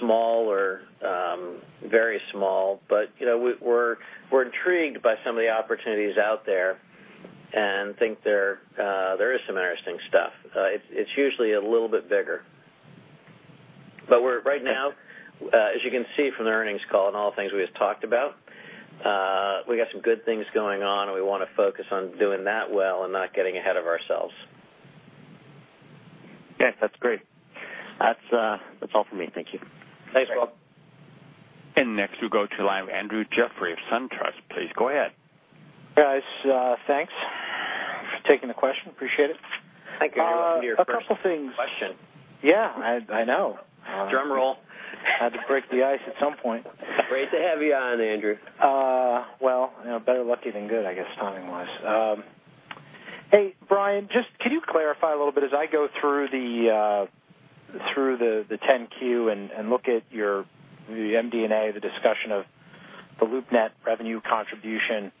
small or very small, but we're intrigued by some of the opportunities out there and think there is some interesting stuff. It's usually a little bit bigger. Right now, as you can see from the earnings call and all the things we just talked about, we got some good things going on, and we want to focus on doing that well and not getting ahead of ourselves. Okay, that's great. That's all for me. Thank you. Thanks, Will. Next we go to the line of Andrew Jeffrey of SunTrust. Please go ahead. Guys, thanks for taking the question. Appreciate it. Thank you. You're welcome here first. A couple things. Question. Yeah, I know. Drum roll. Had to break the ice at some point. Great to have you on, Andrew. Well, better lucky than good, I guess, timing-wise. Hey, Brian, just could you clarify a little bit as I go through the 10-Q and look at your MD&A, the discussion of the LoopNet revenue contribution,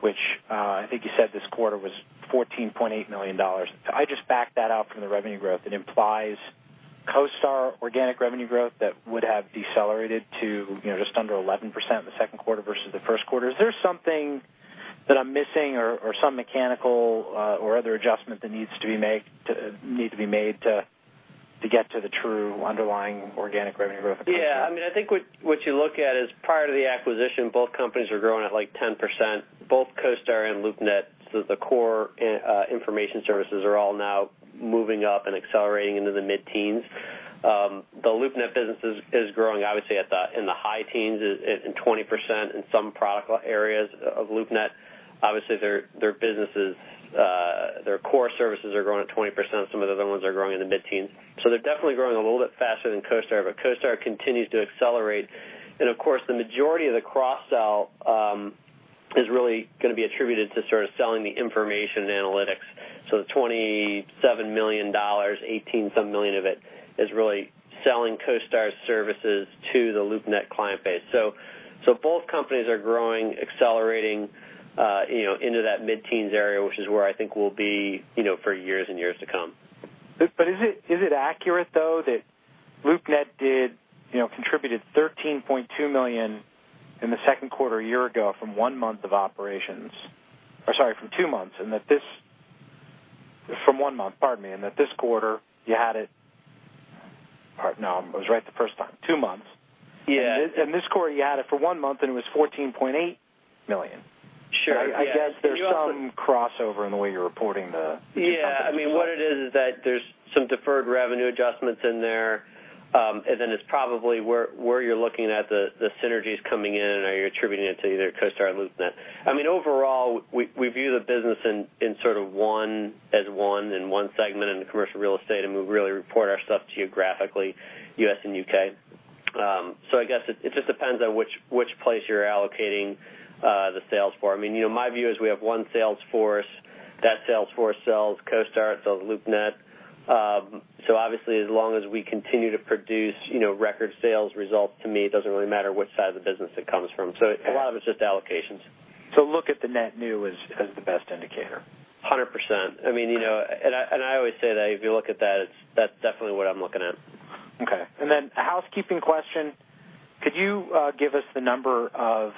which I think you said this quarter was $14.8 million. I just backed that out from the revenue growth. It implies CoStar organic revenue growth that would have decelerated to just under 11% in the second quarter versus the first quarter. Is there something that I'm missing or some mechanical or other adjustment that needs to be made to get to the true underlying organic revenue growth? Yeah. I think what you look at is prior to the acquisition, both companies were growing at 10%, both CoStar and LoopNet. The core information services are all now moving up and accelerating into the mid-teens. The LoopNet business is growing, obviously, in the high teens, in 20% in some product areas of LoopNet. Obviously, their core services are growing at 20%. Some of the other ones are growing in the mid-teens. They're definitely growing a little bit faster than CoStar, but CoStar continues to accelerate. Of course, the majority of the cross-sell is really going to be attributed to sort of selling the information analytics. The $27 million, 18-some million of it, is really selling CoStar's services to the LoopNet client base. Both companies are growing, accelerating into that mid-teens area, which is where I think we'll be for years and years to come. Is it accurate, though, that LoopNet contributed $13.2 million in the second quarter a year ago from one month of operations, or sorry, from two months, and that From one month, pardon me, and that this quarter you had it? Pardon, no, I was right the first time, two months. Yeah. This quarter, you had it for one month, and it was $14.8 million. Sure, yeah. I guess there's some crossover in the way you're reporting. Yeah. What it is that there's some deferred revenue adjustments in there. It's probably where you're looking at the synergies coming in, and are you attributing it to either CoStar or LoopNet. Overall, we view the business as one and one segment in the commercial real estate, and we really report our stuff geographically, U.S. and U.K. I guess it just depends on which place you're allocating the sales for. My view is we have one sales force. That sales force sells CoStar, it sells LoopNet. Obviously, as long as we continue to produce record sales results, to me, it doesn't really matter which side of the business it comes from. A lot of it's just allocations. Look at the net new as the best indicator. 100%. I always say that if you look at that's definitely what I'm looking at. Okay. A housekeeping question. Could you give us the number of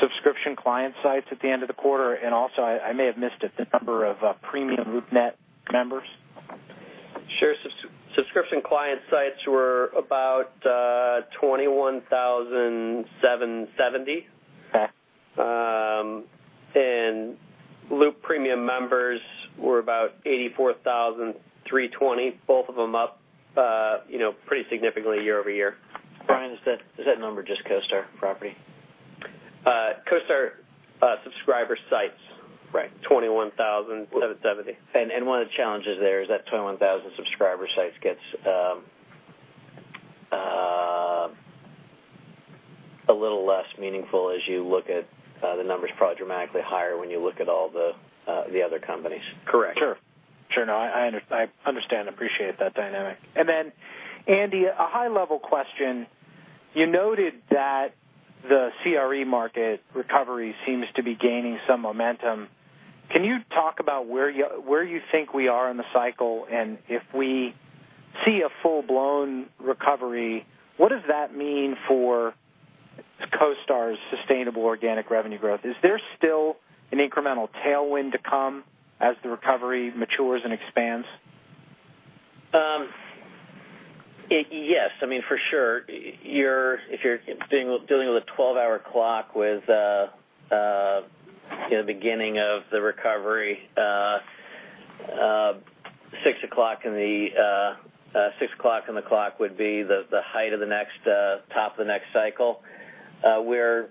subscription client sites at the end of the quarter, and also, I may have missed it, the number of premium LoopNet members? Sure. Subscription client sites were about 21,770. Okay. Loop premium members were about 84,320, both of them up pretty significantly year-over-year. Brian, is that number just CoStar property? CoStar subscriber sites. Right. 21,770. One of the challenges there is that 21,000 subscriber sites gets a little less meaningful as you look at the numbers probably dramatically higher when you look at all the other companies. Correct. Sure. No, I understand, appreciate that dynamic. Andy, a high-level question. You noted that the CRE market recovery seems to be gaining some momentum. Can you talk about where you think we are in the cycle, and if we see a full-blown recovery, what does that mean for CoStar's sustainable organic revenue growth? Is there still an incremental tailwind to come as the recovery matures and expands? Yes, for sure. If you're dealing with a 12-hour clock with the beginning of the recovery, six o'clock on the clock would be the height of the next top of the next cycle. We're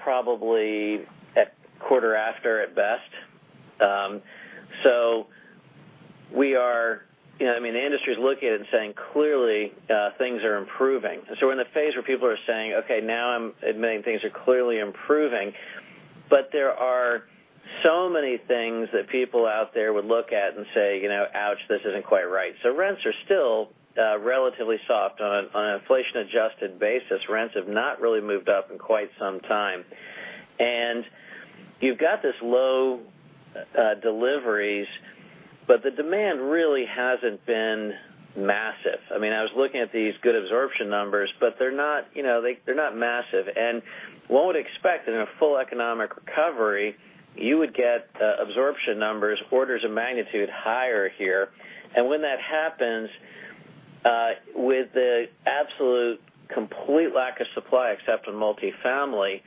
probably at quarter after, at best. The industry's looking at it and saying, clearly, things are improving. We're in a phase where people are saying, "Okay, now I'm admitting things are clearly improving," there are so many things that people out there would look at and say, "Ouch, this isn't quite right." Rents are still relatively soft. On an inflation-adjusted basis, rents have not really moved up in quite some time. You've got this low deliveries, the demand really hasn't been massive. I was looking at these good absorption numbers, but they're not massive. One would expect in a full economic recovery, you would get absorption numbers orders of magnitude higher here. When that happens, with the absolute complete lack of supply except in multi-family,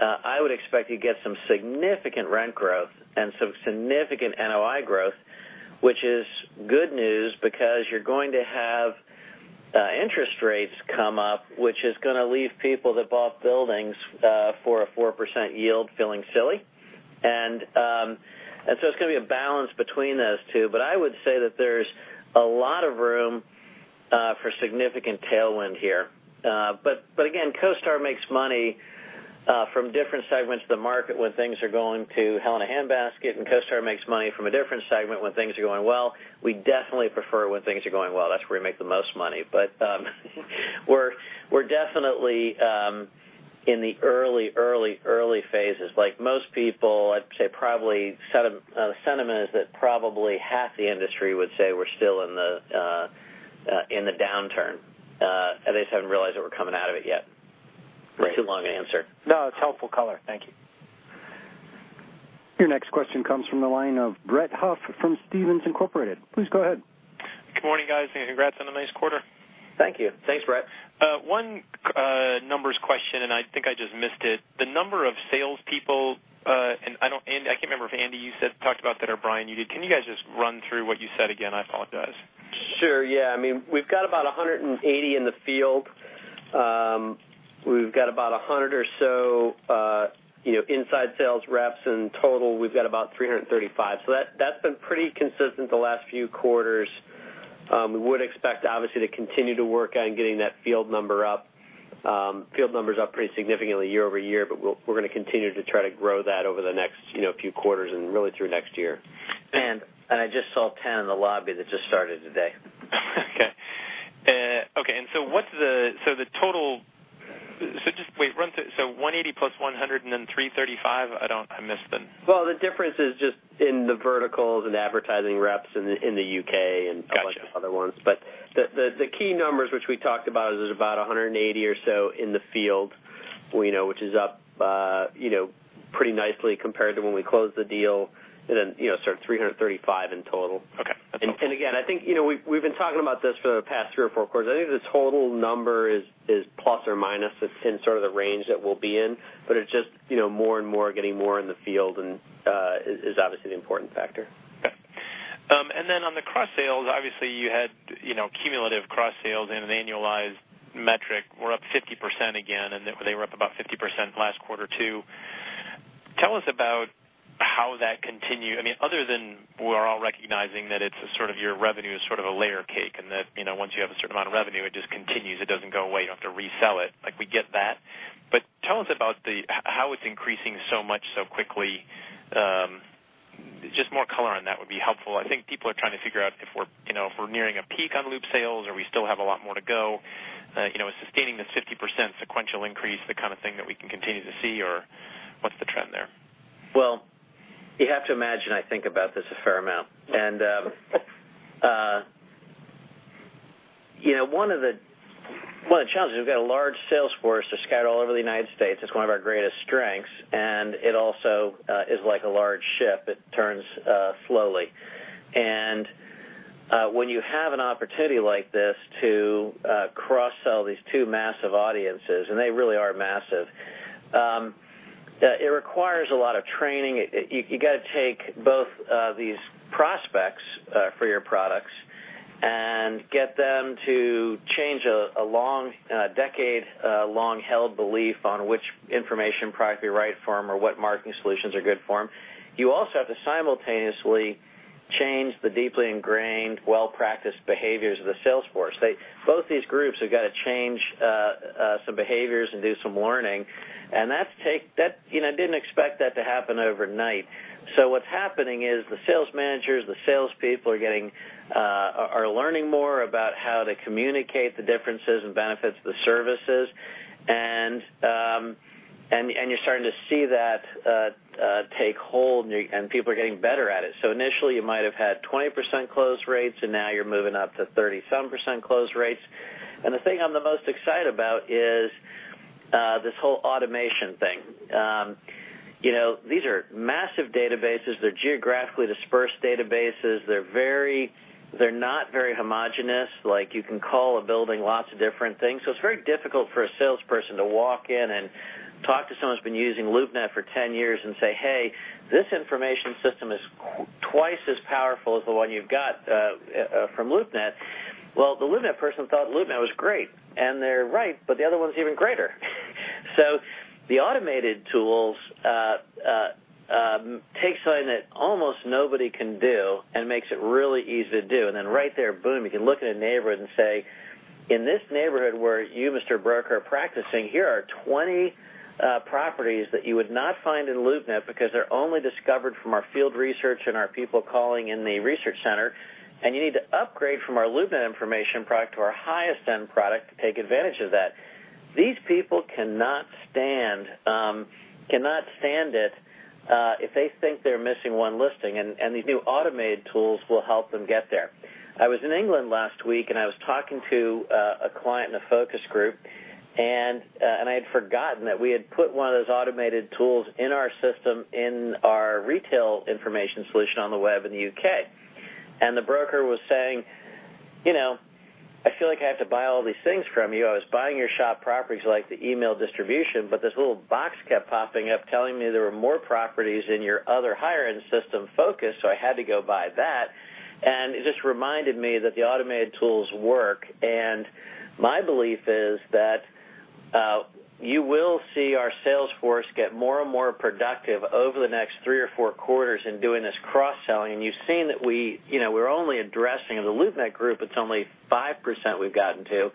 I would expect you get some significant rent growth and some significant NOI growth, which is good news because you're going to have interest rates come up, which is going to leave people that bought buildings for a 4% yield feeling silly. It's going to be a balance between those two. I would say that there's a lot of room for significant tailwind here. Again, CoStar makes money from different segments of the market when things are going to hell in a handbasket, and CoStar makes money from a different segment when things are going well. We definitely prefer when things are going well. That's where we make the most money. We're definitely in the early phases. Like most people, I'd say probably the sentiment is that probably half the industry would say we're still in the downturn. They just haven't realized that we're coming out of it yet. Great. Too long an answer. No, it's helpful color. Thank you. Your next question comes from the line of Brett Huff from Stephens Inc.. Please go ahead. Good morning, guys. Congrats on a nice quarter. Thank you. Thanks, Brett. One numbers question. I think I just missed it. The number of salespeople. I can't remember if, Andy, you talked about that, or Brian, you did. Can you guys just run through what you said again? I apologize. Sure. Yeah. We've got about 180 in the field. We've got about 100 or so inside sales reps in total. We've got about 335. That's been pretty consistent the last few quarters. We would expect, obviously, to continue to work on getting that field number up pretty significantly year-over-year. We're going to continue to try to grow that over the next few quarters, and really through next year. I just saw 10 in the lobby that just started today. Okay. 180 plus 100 and then 335? I missed the- Well, the difference is just in the verticals and advertising reps in the U.K. and- Got you A bunch of other ones. The key numbers which we talked about is about 180 or so in the field, which is up pretty nicely compared to when we closed the deal, and then sort of 335 in total. Okay. That's helpful. Again, I think we've been talking about this for the past three or four quarters. I think the total number is ± within sort of the range that we'll be in, but it's just more and more getting more in the field and is obviously the important factor. On the cross-sales, obviously you had cumulative cross-sales and an annualized metric were up 50% again, and they were up about 50% last quarter too. Tell us about how that continue-- other than we're all recognizing that your revenue is sort of a layer cake, and that once you have a certain amount of revenue, it just continues, it doesn't go away. You don't have to resell it. We get that. Tell us about how it's increasing so much so quickly. Just more color on that would be helpful. I think people are trying to figure out if we're nearing a peak on Loop sales or we still have a lot more to go. Is sustaining this 50% sequential increase the kind of thing that we can continue to see, or what's the trend there? You have to imagine I think about this a fair amount. One of the challenges, we've got a large sales force that's scattered all over the U.S. It's one of our greatest strengths, it also is like a large ship. It turns slowly. When you have an opportunity like this to cross-sell these two massive audiences, and they really are massive, it requires a lot of training. You got to take both of these prospects for your products and get them to change a decade-long held belief on which information product would be right for them or what marketing solutions are good for them. You also have to simultaneously change the deeply ingrained, well-practiced behaviors of the sales force. Both these groups have got to change some behaviors and do some learning. I didn't expect that to happen overnight. What's happening is the sales managers, the salespeople are learning more about how to communicate the differences and benefits of the services. You're starting to see that take hold, and people are getting better at it. Initially, you might have had 20% close rates, and now you're moving up to 30-some % close rates. The thing I'm the most excited about is this whole automation thing. These are massive databases. They're geographically dispersed databases. They're not very homogenous. You can call a building lots of different things. It's very difficult for a salesperson to walk in and talk to someone who's been using LoopNet for 10 years and say, "Hey, this information system is twice as powerful as the one you've got from LoopNet." The LoopNet person thought LoopNet was great, and they're right, but the other one's even greater. The automated tools take something that almost nobody can do and makes it really easy to do. Then right there, boom, you can look in a neighborhood and say, "In this neighborhood where you, Mr. Broker, are practicing, here are 20 properties that you would not find in LoopNet because they're only discovered from our field research and our people calling in the research center. You need to upgrade from our LoopNet information product to our highest-end product to take advantage of that." These people cannot stand it if they think they're missing one listing, and these new automated tools will help them get there. I was in England last week, and I was talking to a client in a focus group. I had forgotten that we had put one of those automated tools in our system in our retail information solution on the web in the U.K. The broker was saying, "I feel like I have to buy all these things from you. I was buying your shop properties, like the email distribution, but this little box kept popping up telling me there were more properties in your other higher-end system FOCUS, so I had to go buy that." It just reminded me that the automated tools work. My belief is that you will see our sales force get more and more productive over the next three or four quarters in doing this cross-selling. You've seen that we're only addressing, in the LoopNet group, it's only 5% we've gotten to.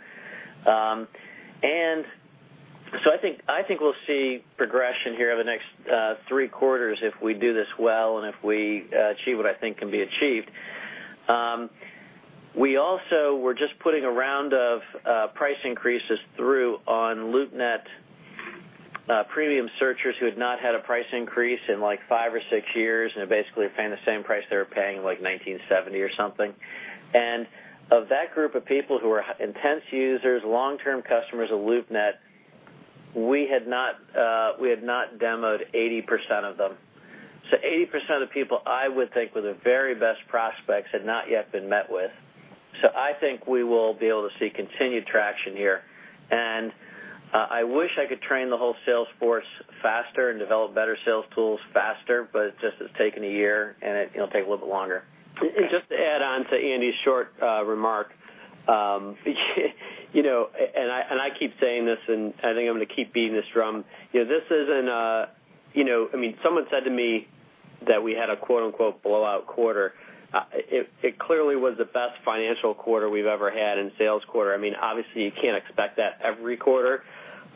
I think we'll see progression here over the next three quarters if we do this well and if we achieve what I think can be achieved. We also were just putting a round of price increases through Premium Searchers who had not had a price increase in five or six years, and are basically paying the same price they were paying in 1970 or something. Of that group of people who are intense users, long-term customers of LoopNet, we had not demoed 80% of them. 80% of the people I would think were the very best prospects had not yet been met with. I think we will be able to see continued traction here. I wish I could train the whole sales force faster and develop better sales tools faster, but it just has taken a year, and it'll take a little bit longer. Just to add on to Andy's short remark, I keep saying this, I think I'm going to keep beating this drum. Someone said to me that we had a quote unquote, "blowout quarter." It clearly was the best financial quarter we've ever had in sales quarter. Obviously, you can't expect that every quarter.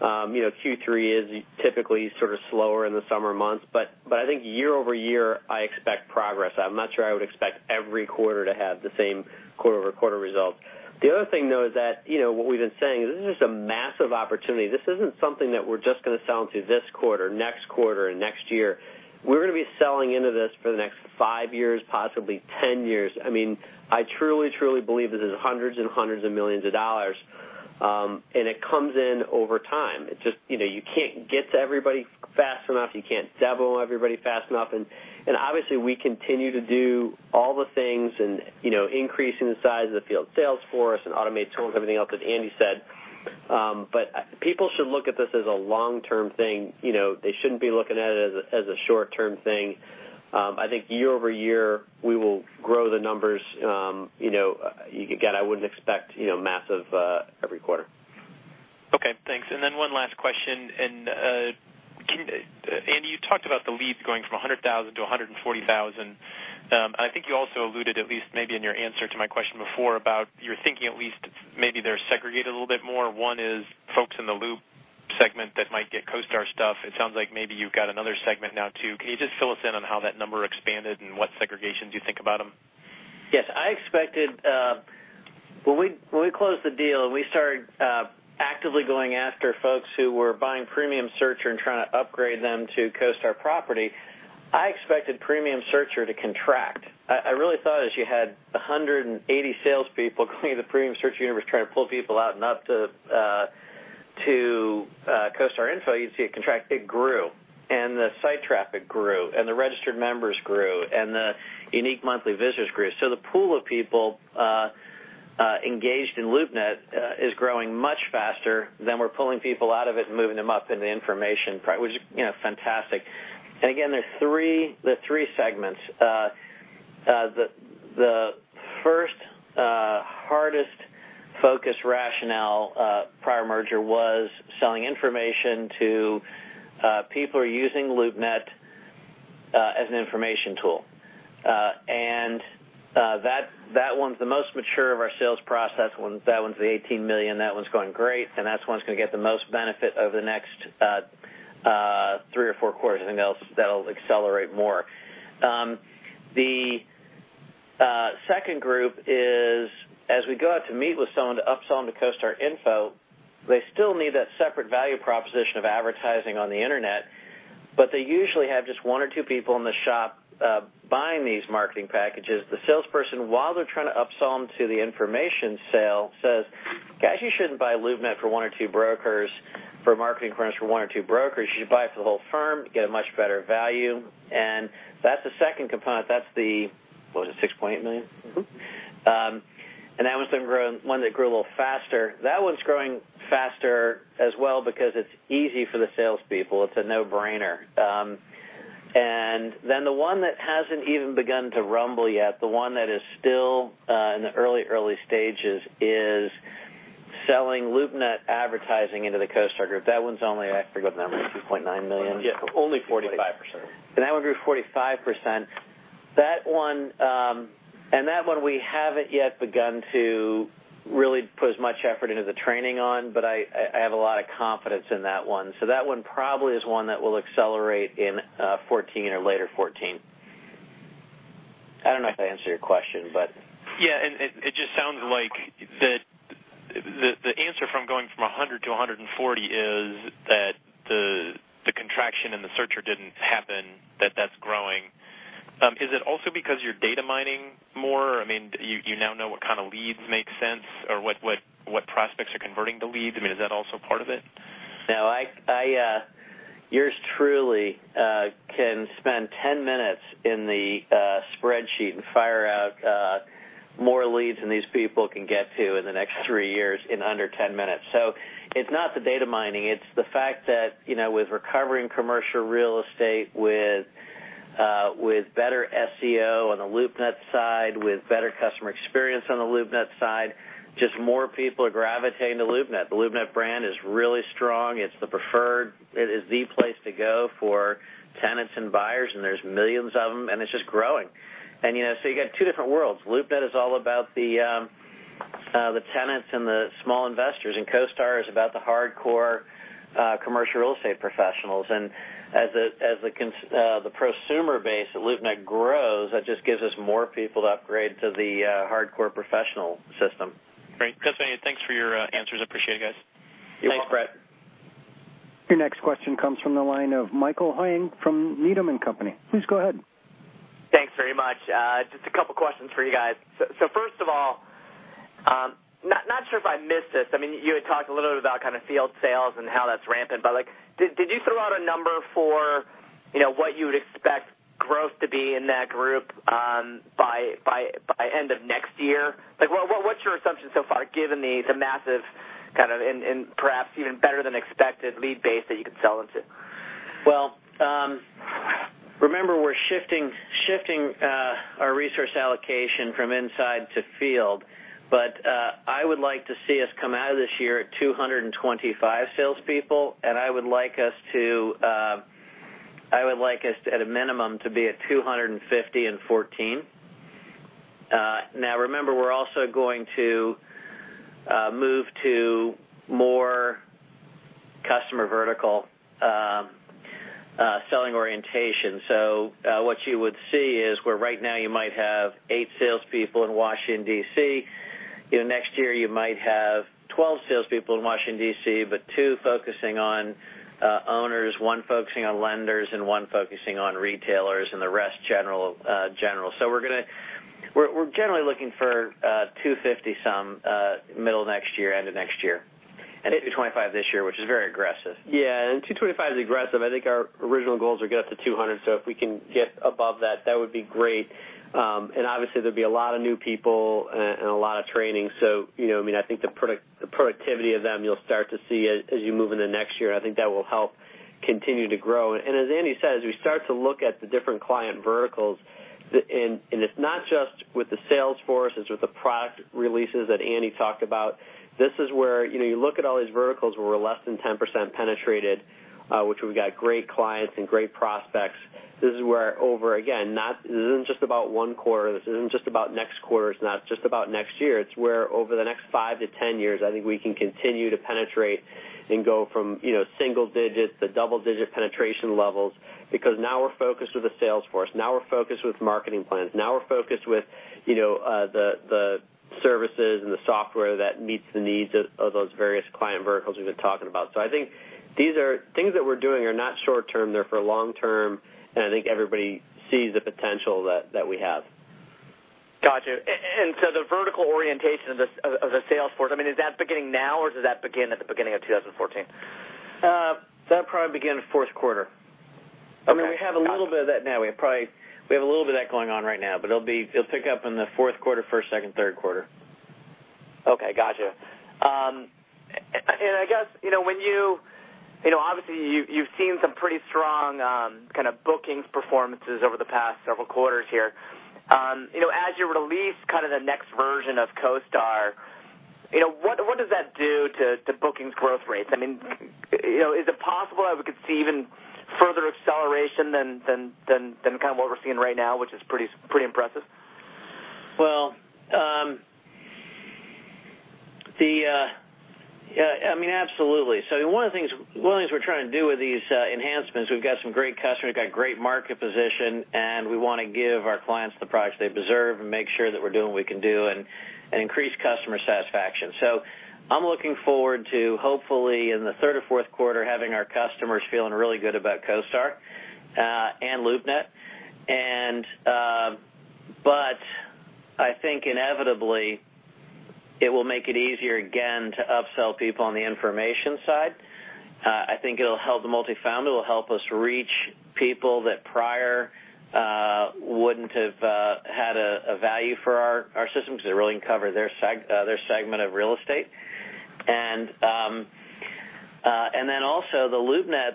Q3 is typically sort of slower in the summer months, but I think year-over-year, I expect progress. I'm not sure I would expect every quarter to have the same quarter-over-quarter results. The other thing, though, is that what we've been saying, this is just a massive opportunity. This isn't something that we're just going to sell into this quarter, next quarter, next year. We're going to be selling into this for the next 5 years, possibly 10 years. I truly believe this is hundreds and hundreds of millions of dollars, it comes in over time. You can't get to everybody fast enough. You can't demo everybody fast enough, obviously, we continue to do all the things, increasing the size of the field sales force automate tools, everything else that Andy said. People should look at this as a long-term thing. They shouldn't be looking at it as a short-term thing. I think year-over-year, we will grow the numbers. Again, I wouldn't expect massive every quarter. Okay, thanks. One last question. Andy, you talked about the leads going from 100,000 to 140,000. I think you also alluded, at least maybe in your answer to my question before, about you're thinking at least maybe they're segregated a little bit more. One is folks in the Loop segment that might get CoStar stuff. It sounds like maybe you've got another segment now, too. Can you just fill us in on how that number expanded what segregations you think about them? Yes. When we closed the deal, we started actively going after folks who were buying Premium Searcher trying to upgrade them to CoStar property, I expected Premium Searcher to contract. I really thought as you had 180 salespeople going to the Premium Searcher universe trying to pull people out up to CoStar Info, you'd see it contract. It grew, the site traffic grew, the registered members grew, the unique monthly visitors grew. The pool of people engaged in LoopNet is growing much faster than we're pulling people out of it moving them up in the information part, which is fantastic. Again, there are three segments. The first hardest-focused rationale prior merger was selling information to people who are using LoopNet as an information tool. That one's the most mature of our sales process ones. That one's the $18 million. That one's going great, that one's going to get the most benefit over the next three or four quarters. I think that'll accelerate more. The second group is, as we go out to meet with someone to upsell them to CoStar Info, they still need that separate value proposition of advertising on the internet, but they usually have just one or two people in the shop buying these marketing packages. The salesperson, while they're trying to upsell them to the information sale, says, "Guys, you shouldn't buy LoopNet for one or two brokers for marketing clearance for one or two brokers. You should buy it for the whole firm to get a much better value." That's the second component. That's the, what was it, $6.8 million? That one's one that grew a little faster. That one's growing faster as well because it's easy for the salespeople. It's a no-brainer. The one that hasn't even begun to rumble yet, the one that is still in the early stages, is selling LoopNet advertising into the CoStar Group. That one's only, I forget the number, $2.9 million? Yeah. Only 45%. That one grew 45%. That one we haven't yet begun to really put as much effort into the training on, but I have a lot of confidence in that one. That one probably is one that will accelerate in 2014 or later 2014. I don't know if I answered your question, but It just sounds like the answer from going from 100 to 140 is that the contraction in the searcher didn't happen, that that's growing. Is it also because you're data mining more? You now know what kind of leads make sense or what prospects are converting to leads? Is that also part of it? No. Yours truly can spend 10 minutes in the spreadsheet and fire out more leads than these people can get to in the next 3 years in under 10 minutes. It's not the data mining. It's the fact that with recovering commercial real estate, with better SEO on the LoopNet side, with better customer experience on the LoopNet side, just more people are gravitating to LoopNet. The LoopNet brand is really strong. It's the preferred. It is the place to go for tenants and buyers, and there's millions of them, and it's just growing. You got two different worlds. LoopNet is all about the tenants and the small investors, and CoStar is about the hardcore commercial real estate professionals. As the prosumer base at LoopNet grows, that just gives us more people to upgrade to the hardcore professional system. Great. Guys, anyway, thanks for your answers. Appreciate it, guys. You're welcome. Thanks, Brett. Your next question comes from the line of Michael Huang from Needham & Company. Please go ahead. Thanks very much. Just a couple questions for you guys. First of all, not sure if I missed this. You had talked a little bit about field sales and how that's rampant, but did you throw out a number for what you would expect growth to be in that group by end of next year? What's your assumption so far, given the massive and perhaps even better than expected lead base that you could sell into? Well, remember, we're shifting our resource allocation from inside to field. I would like to see us come out of this year at 225 salespeople, and I would like us, at a minimum, to be at 250 in 2014. Now remember, we're also going to move to more customer vertical selling orientation. What you would see is where right now you might have eight salespeople in Washington, D.C., next year you might have 12 salespeople in Washington, D.C., but two focusing on owners, one focusing on lenders, and one focusing on retailers, and the rest general. We're generally looking for 250 some middle of next year, end of next year. 225 this year, which is very aggressive. 225 is aggressive. I think our original goals were get up to 200, so if we can get above that would be great. Obviously there'd be a lot of new people and a lot of training. I think the productivity of them, you'll start to see as you move into next year, and I think that will help continue to grow. As Andy said, as we start to look at the different client verticals, and it's not just with the sales force, it's with the product releases that Andy talked about. This is where you look at all these verticals where we're less than 10% penetrated, which we've got great clients and great prospects. This is where over, again, this isn't just about one quarter, this isn't just about next quarter, it's not just about next year, it's where over the next five to 10 years, I think we can continue to penetrate and go from single digit to double digit penetration levels. We're focused with a sales force. Now we're focused with marketing plans. Now we're focused with the services and the software that meets the needs of those various client verticals we've been talking about. I think these are things that we're doing are not short-term, they're for long-term, and I think everybody sees the potential that we have. Got you. The vertical orientation of the sales force, is that beginning now, or does that begin at the beginning of 2014? That probably begins fourth quarter. Okay. Got you. We have a little bit of that now. We have a little bit of that going on right now, but it'll pick up in the fourth quarter, first, second, third quarter. Okay, got you. I guess, obviously you've seen some pretty strong bookings performances over the past several quarters here. As you release the next version of CoStar, what does that do to bookings growth rates? Is it possible that we could see even further acceleration than what we're seeing right now, which is pretty impressive? Well. Absolutely. One of the things we're trying to do with these enhancements, we've got some great customers, we've got great market position, and we want to give our clients the products they deserve and make sure that we're doing what we can do and increase customer satisfaction. I'm looking forward to, hopefully, in the third or fourth quarter, having our customers feeling really good about CoStar and LoopNet. I think inevitably it will make it easier again to upsell people on the information side. I think it'll help the multi-family, it will help us reach people that prior wouldn't have had a value for our system because it really didn't cover their segment of real estate. Then also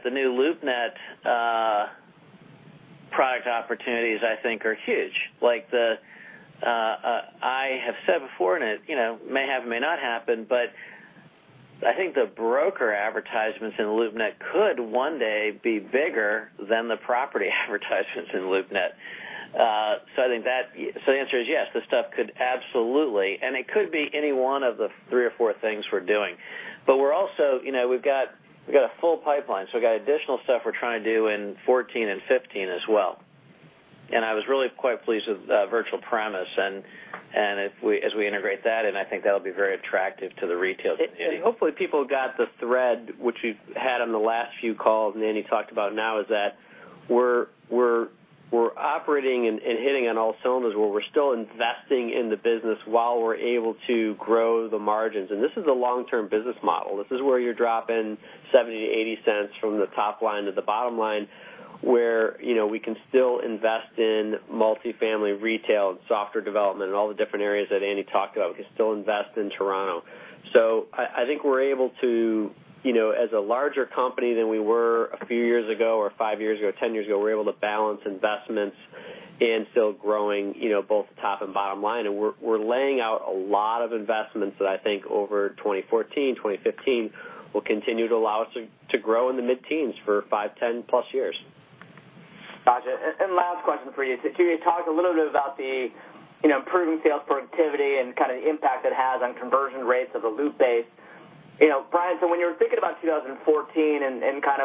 the new LoopNet product opportunities I think are huge. I have said before, it may have, may not happen, but I think the broker advertisements in LoopNet could one day be bigger than the property advertisements in LoopNet. I think the answer is yes, this stuff could absolutely, and it could be any one of the three or four things we're doing. We've got a full pipeline, so we've got additional stuff we're trying to do in 2014 and 2015 as well. I was really quite pleased with Virtual Premise and as we integrate that in, I think that'll be very attractive to the retail community. Hopefully people got the thread, which we've had on the last few calls, and Andy talked about now is that we're operating and hitting on all cylinders where we're still investing in the business while we're able to grow the margins. This is a long-term business model. This is where you're dropping $0.70-$0.80 from the top line to the bottom line, where we can still invest in multi-family retail and software development and all the different areas that Andy talked about. We can still invest in Toronto. I think as a larger company than we were a few years ago, or five years ago, 10 years ago, we're able to balance investments and still growing both top and bottom line. We're laying out a lot of investments that I think over 2014, 2015 will continue to allow us to grow in the mid-teens for five, 10+ years. Got you. Last question for you. Can you talk a little bit about the improving sales productivity and kind of the impact it has on conversion rates of the LoopBase? Brian, when you're thinking about 2014 and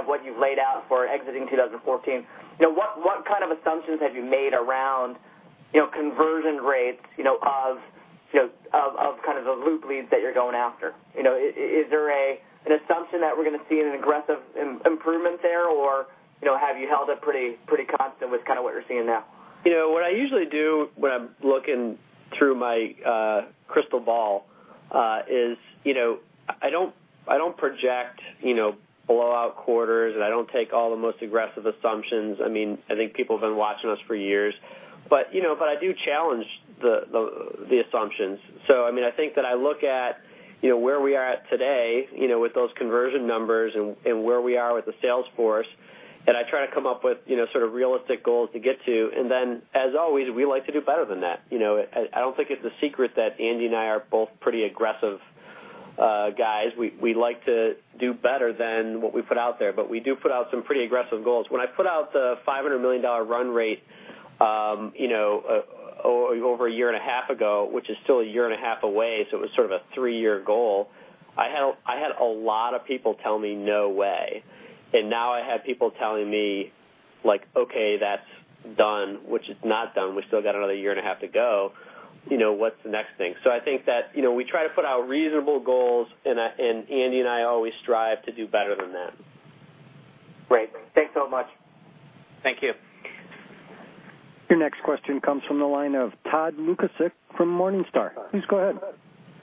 what you've laid out for exiting 2014, what kind of assumptions have you made around conversion rates of the Loop leads that you're going after? Is there an assumption that we're going to see an aggressive improvement there, or have you held it pretty constant with what you're seeing now? What I usually do when I'm looking through my crystal ball is I don't project blowout quarters, I don't take all the most aggressive assumptions. I think people have been watching us for years. I do challenge the assumptions. I think that I look at where we are at today with those conversion numbers and where we are with the sales force, I try to come up with realistic goals to get to. Then, as always, we like to do better than that. I don't think it's a secret that Andy and I are both pretty aggressive guys. We like to do better than what we put out there, but we do put out some pretty aggressive goals. When I put out the $500 million run rate over a year and a half ago, which is still a year and a half away, it was sort of a three-year goal, I had a lot of people tell me, "No way." Now I have people telling me, "Okay, that's done," which it's not done. We still got another year and a half to go. What's the next thing? I think that we try to put out reasonable goals, Andy and I always strive to do better than that. Great. Thanks so much. Thank you. Your next question comes from the line of Todd Lukasik from Morningstar. Please go ahead.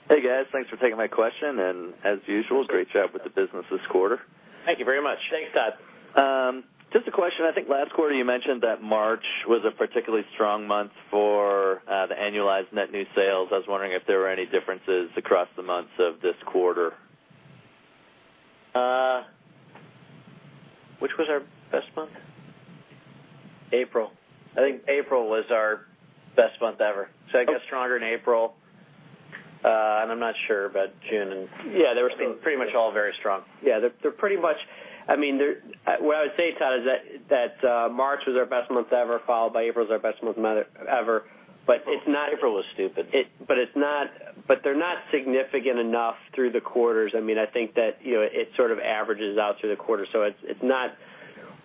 Hey, guys. Thanks for taking my question, and as usual, great job with the business this quarter. Thank you very much. Thanks, Todd. Just a question. I think last quarter you mentioned that March was a particularly strong month for the annualized net new sales. I was wondering if there were any differences across the months of this quarter. Which was our best month? April. I think April was our best month ever. I guess stronger in April. I'm not sure about June. Yeah, they were pretty much all very strong. Yeah. What I would say, Todd, is that March was our best month ever, followed by April as our best month ever. It's not. April was stupid. They're not significant enough through the quarters. I think that it sort of averages out through the quarter. It's not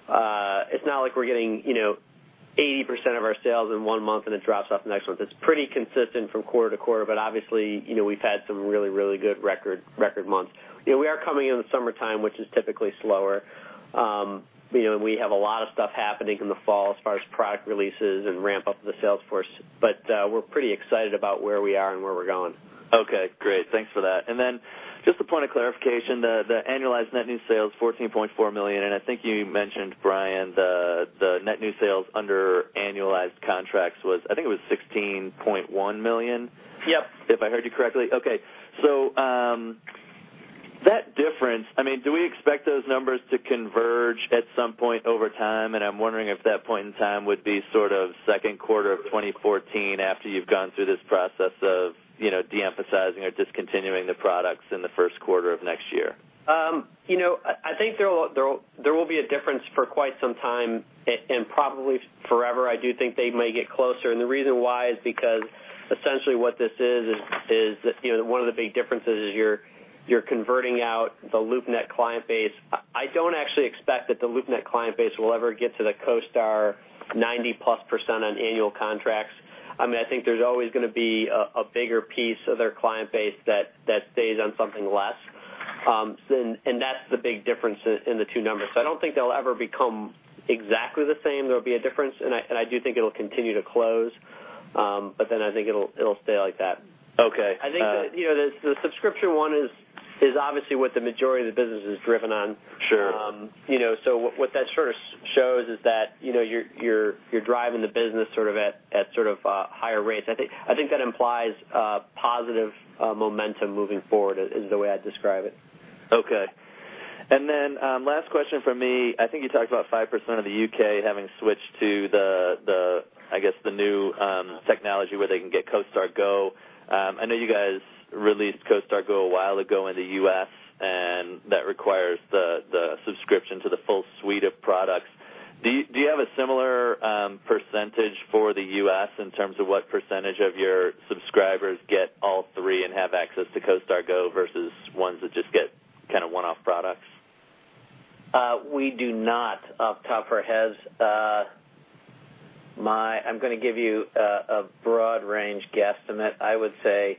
like we're getting 80% of our sales in one month, and it drops off the next month. It's pretty consistent from quarter to quarter, but obviously, we've had some really good record months. We are coming in the summertime, which is typically slower. We have a lot of stuff happening in the fall as far as product releases and ramp up of the sales force. We're pretty excited about where we are and where we're going. Okay, great. Thanks for that. Then just a point of clarification, the annualized net new sales, $14.4 million, and I think you mentioned, Brian, the net new sales under annualized contracts was, I think it was $16.1 million. Yep. If I heard you correctly. Okay. That difference, do we expect those numbers to converge at some point over time? I'm wondering if that point in time would be sort of second quarter of 2014 after you've gone through this process of de-emphasizing or discontinuing the products in the first quarter of next year. I think there will be a difference for quite some time, and probably forever. I do think they may get closer, the reason why is because essentially what this is one of the big differences is you're converting out the LoopNet client base. I don't actually expect that the LoopNet client base will ever get to the CoStar 90-plus% on annual contracts. I think there's always going to be a bigger piece of their client base that stays on something less. That's the big difference in the two numbers. I don't think they'll ever become exactly the same. There'll be a difference, and I do think it'll continue to close. I think it'll stay like that. Okay. I think the subscription one is obviously what the majority of the business is driven on. Sure. What that sort of shows is that you're driving the business at sort of higher rates. I think that implies positive momentum moving forward, is the way I'd describe it. Okay. Last question from me. I think you talked about 5% of the U.K. having switched to the new technology where they can get CoStar Go. I know you guys released CoStar Go a while ago in the U.S., and that requires the subscription to the full suite of products. Do you have a similar percentage for the U.S. in terms of what percentage of your subscribers get all three and have access to CoStar Go versus ones that just get kind of one-off products? We do not off the top of our heads. I'm going to give you a broad range guesstimate. I would say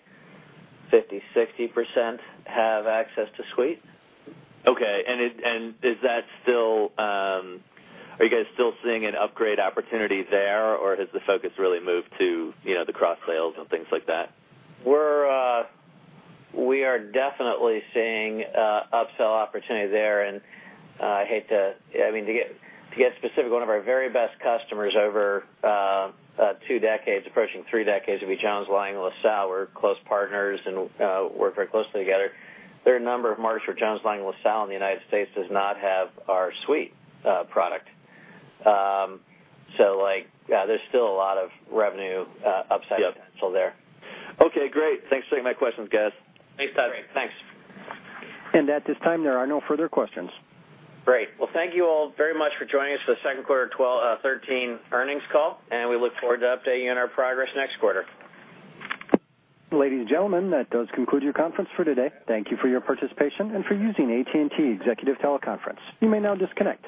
50%, 60% have access to Suite. Okay. Are you guys still seeing an upgrade opportunity there, or has the focus really moved to the cross-sales and things like that? We are definitely seeing upsell opportunity there. To get specific, one of our very best customers over two decades, approaching three decades, would be Jones Lang LaSalle. We're close partners and work very closely together. There are a number of markets where Jones Lang LaSalle in the United States does not have our CoStar Suite product. There's still a lot of revenue upside potential there. Okay, great. Thanks for taking my questions, guys. Thanks, Todd. Great. Thanks. At this time, there are no further questions. Great. Well, thank you all very much for joining us for the second quarter of 2013 earnings call, and we look forward to updating you on our progress next quarter. Ladies and gentlemen, that does conclude your conference for today. Thank you for your participation and for using AT&T Executive Teleconference. You may now disconnect.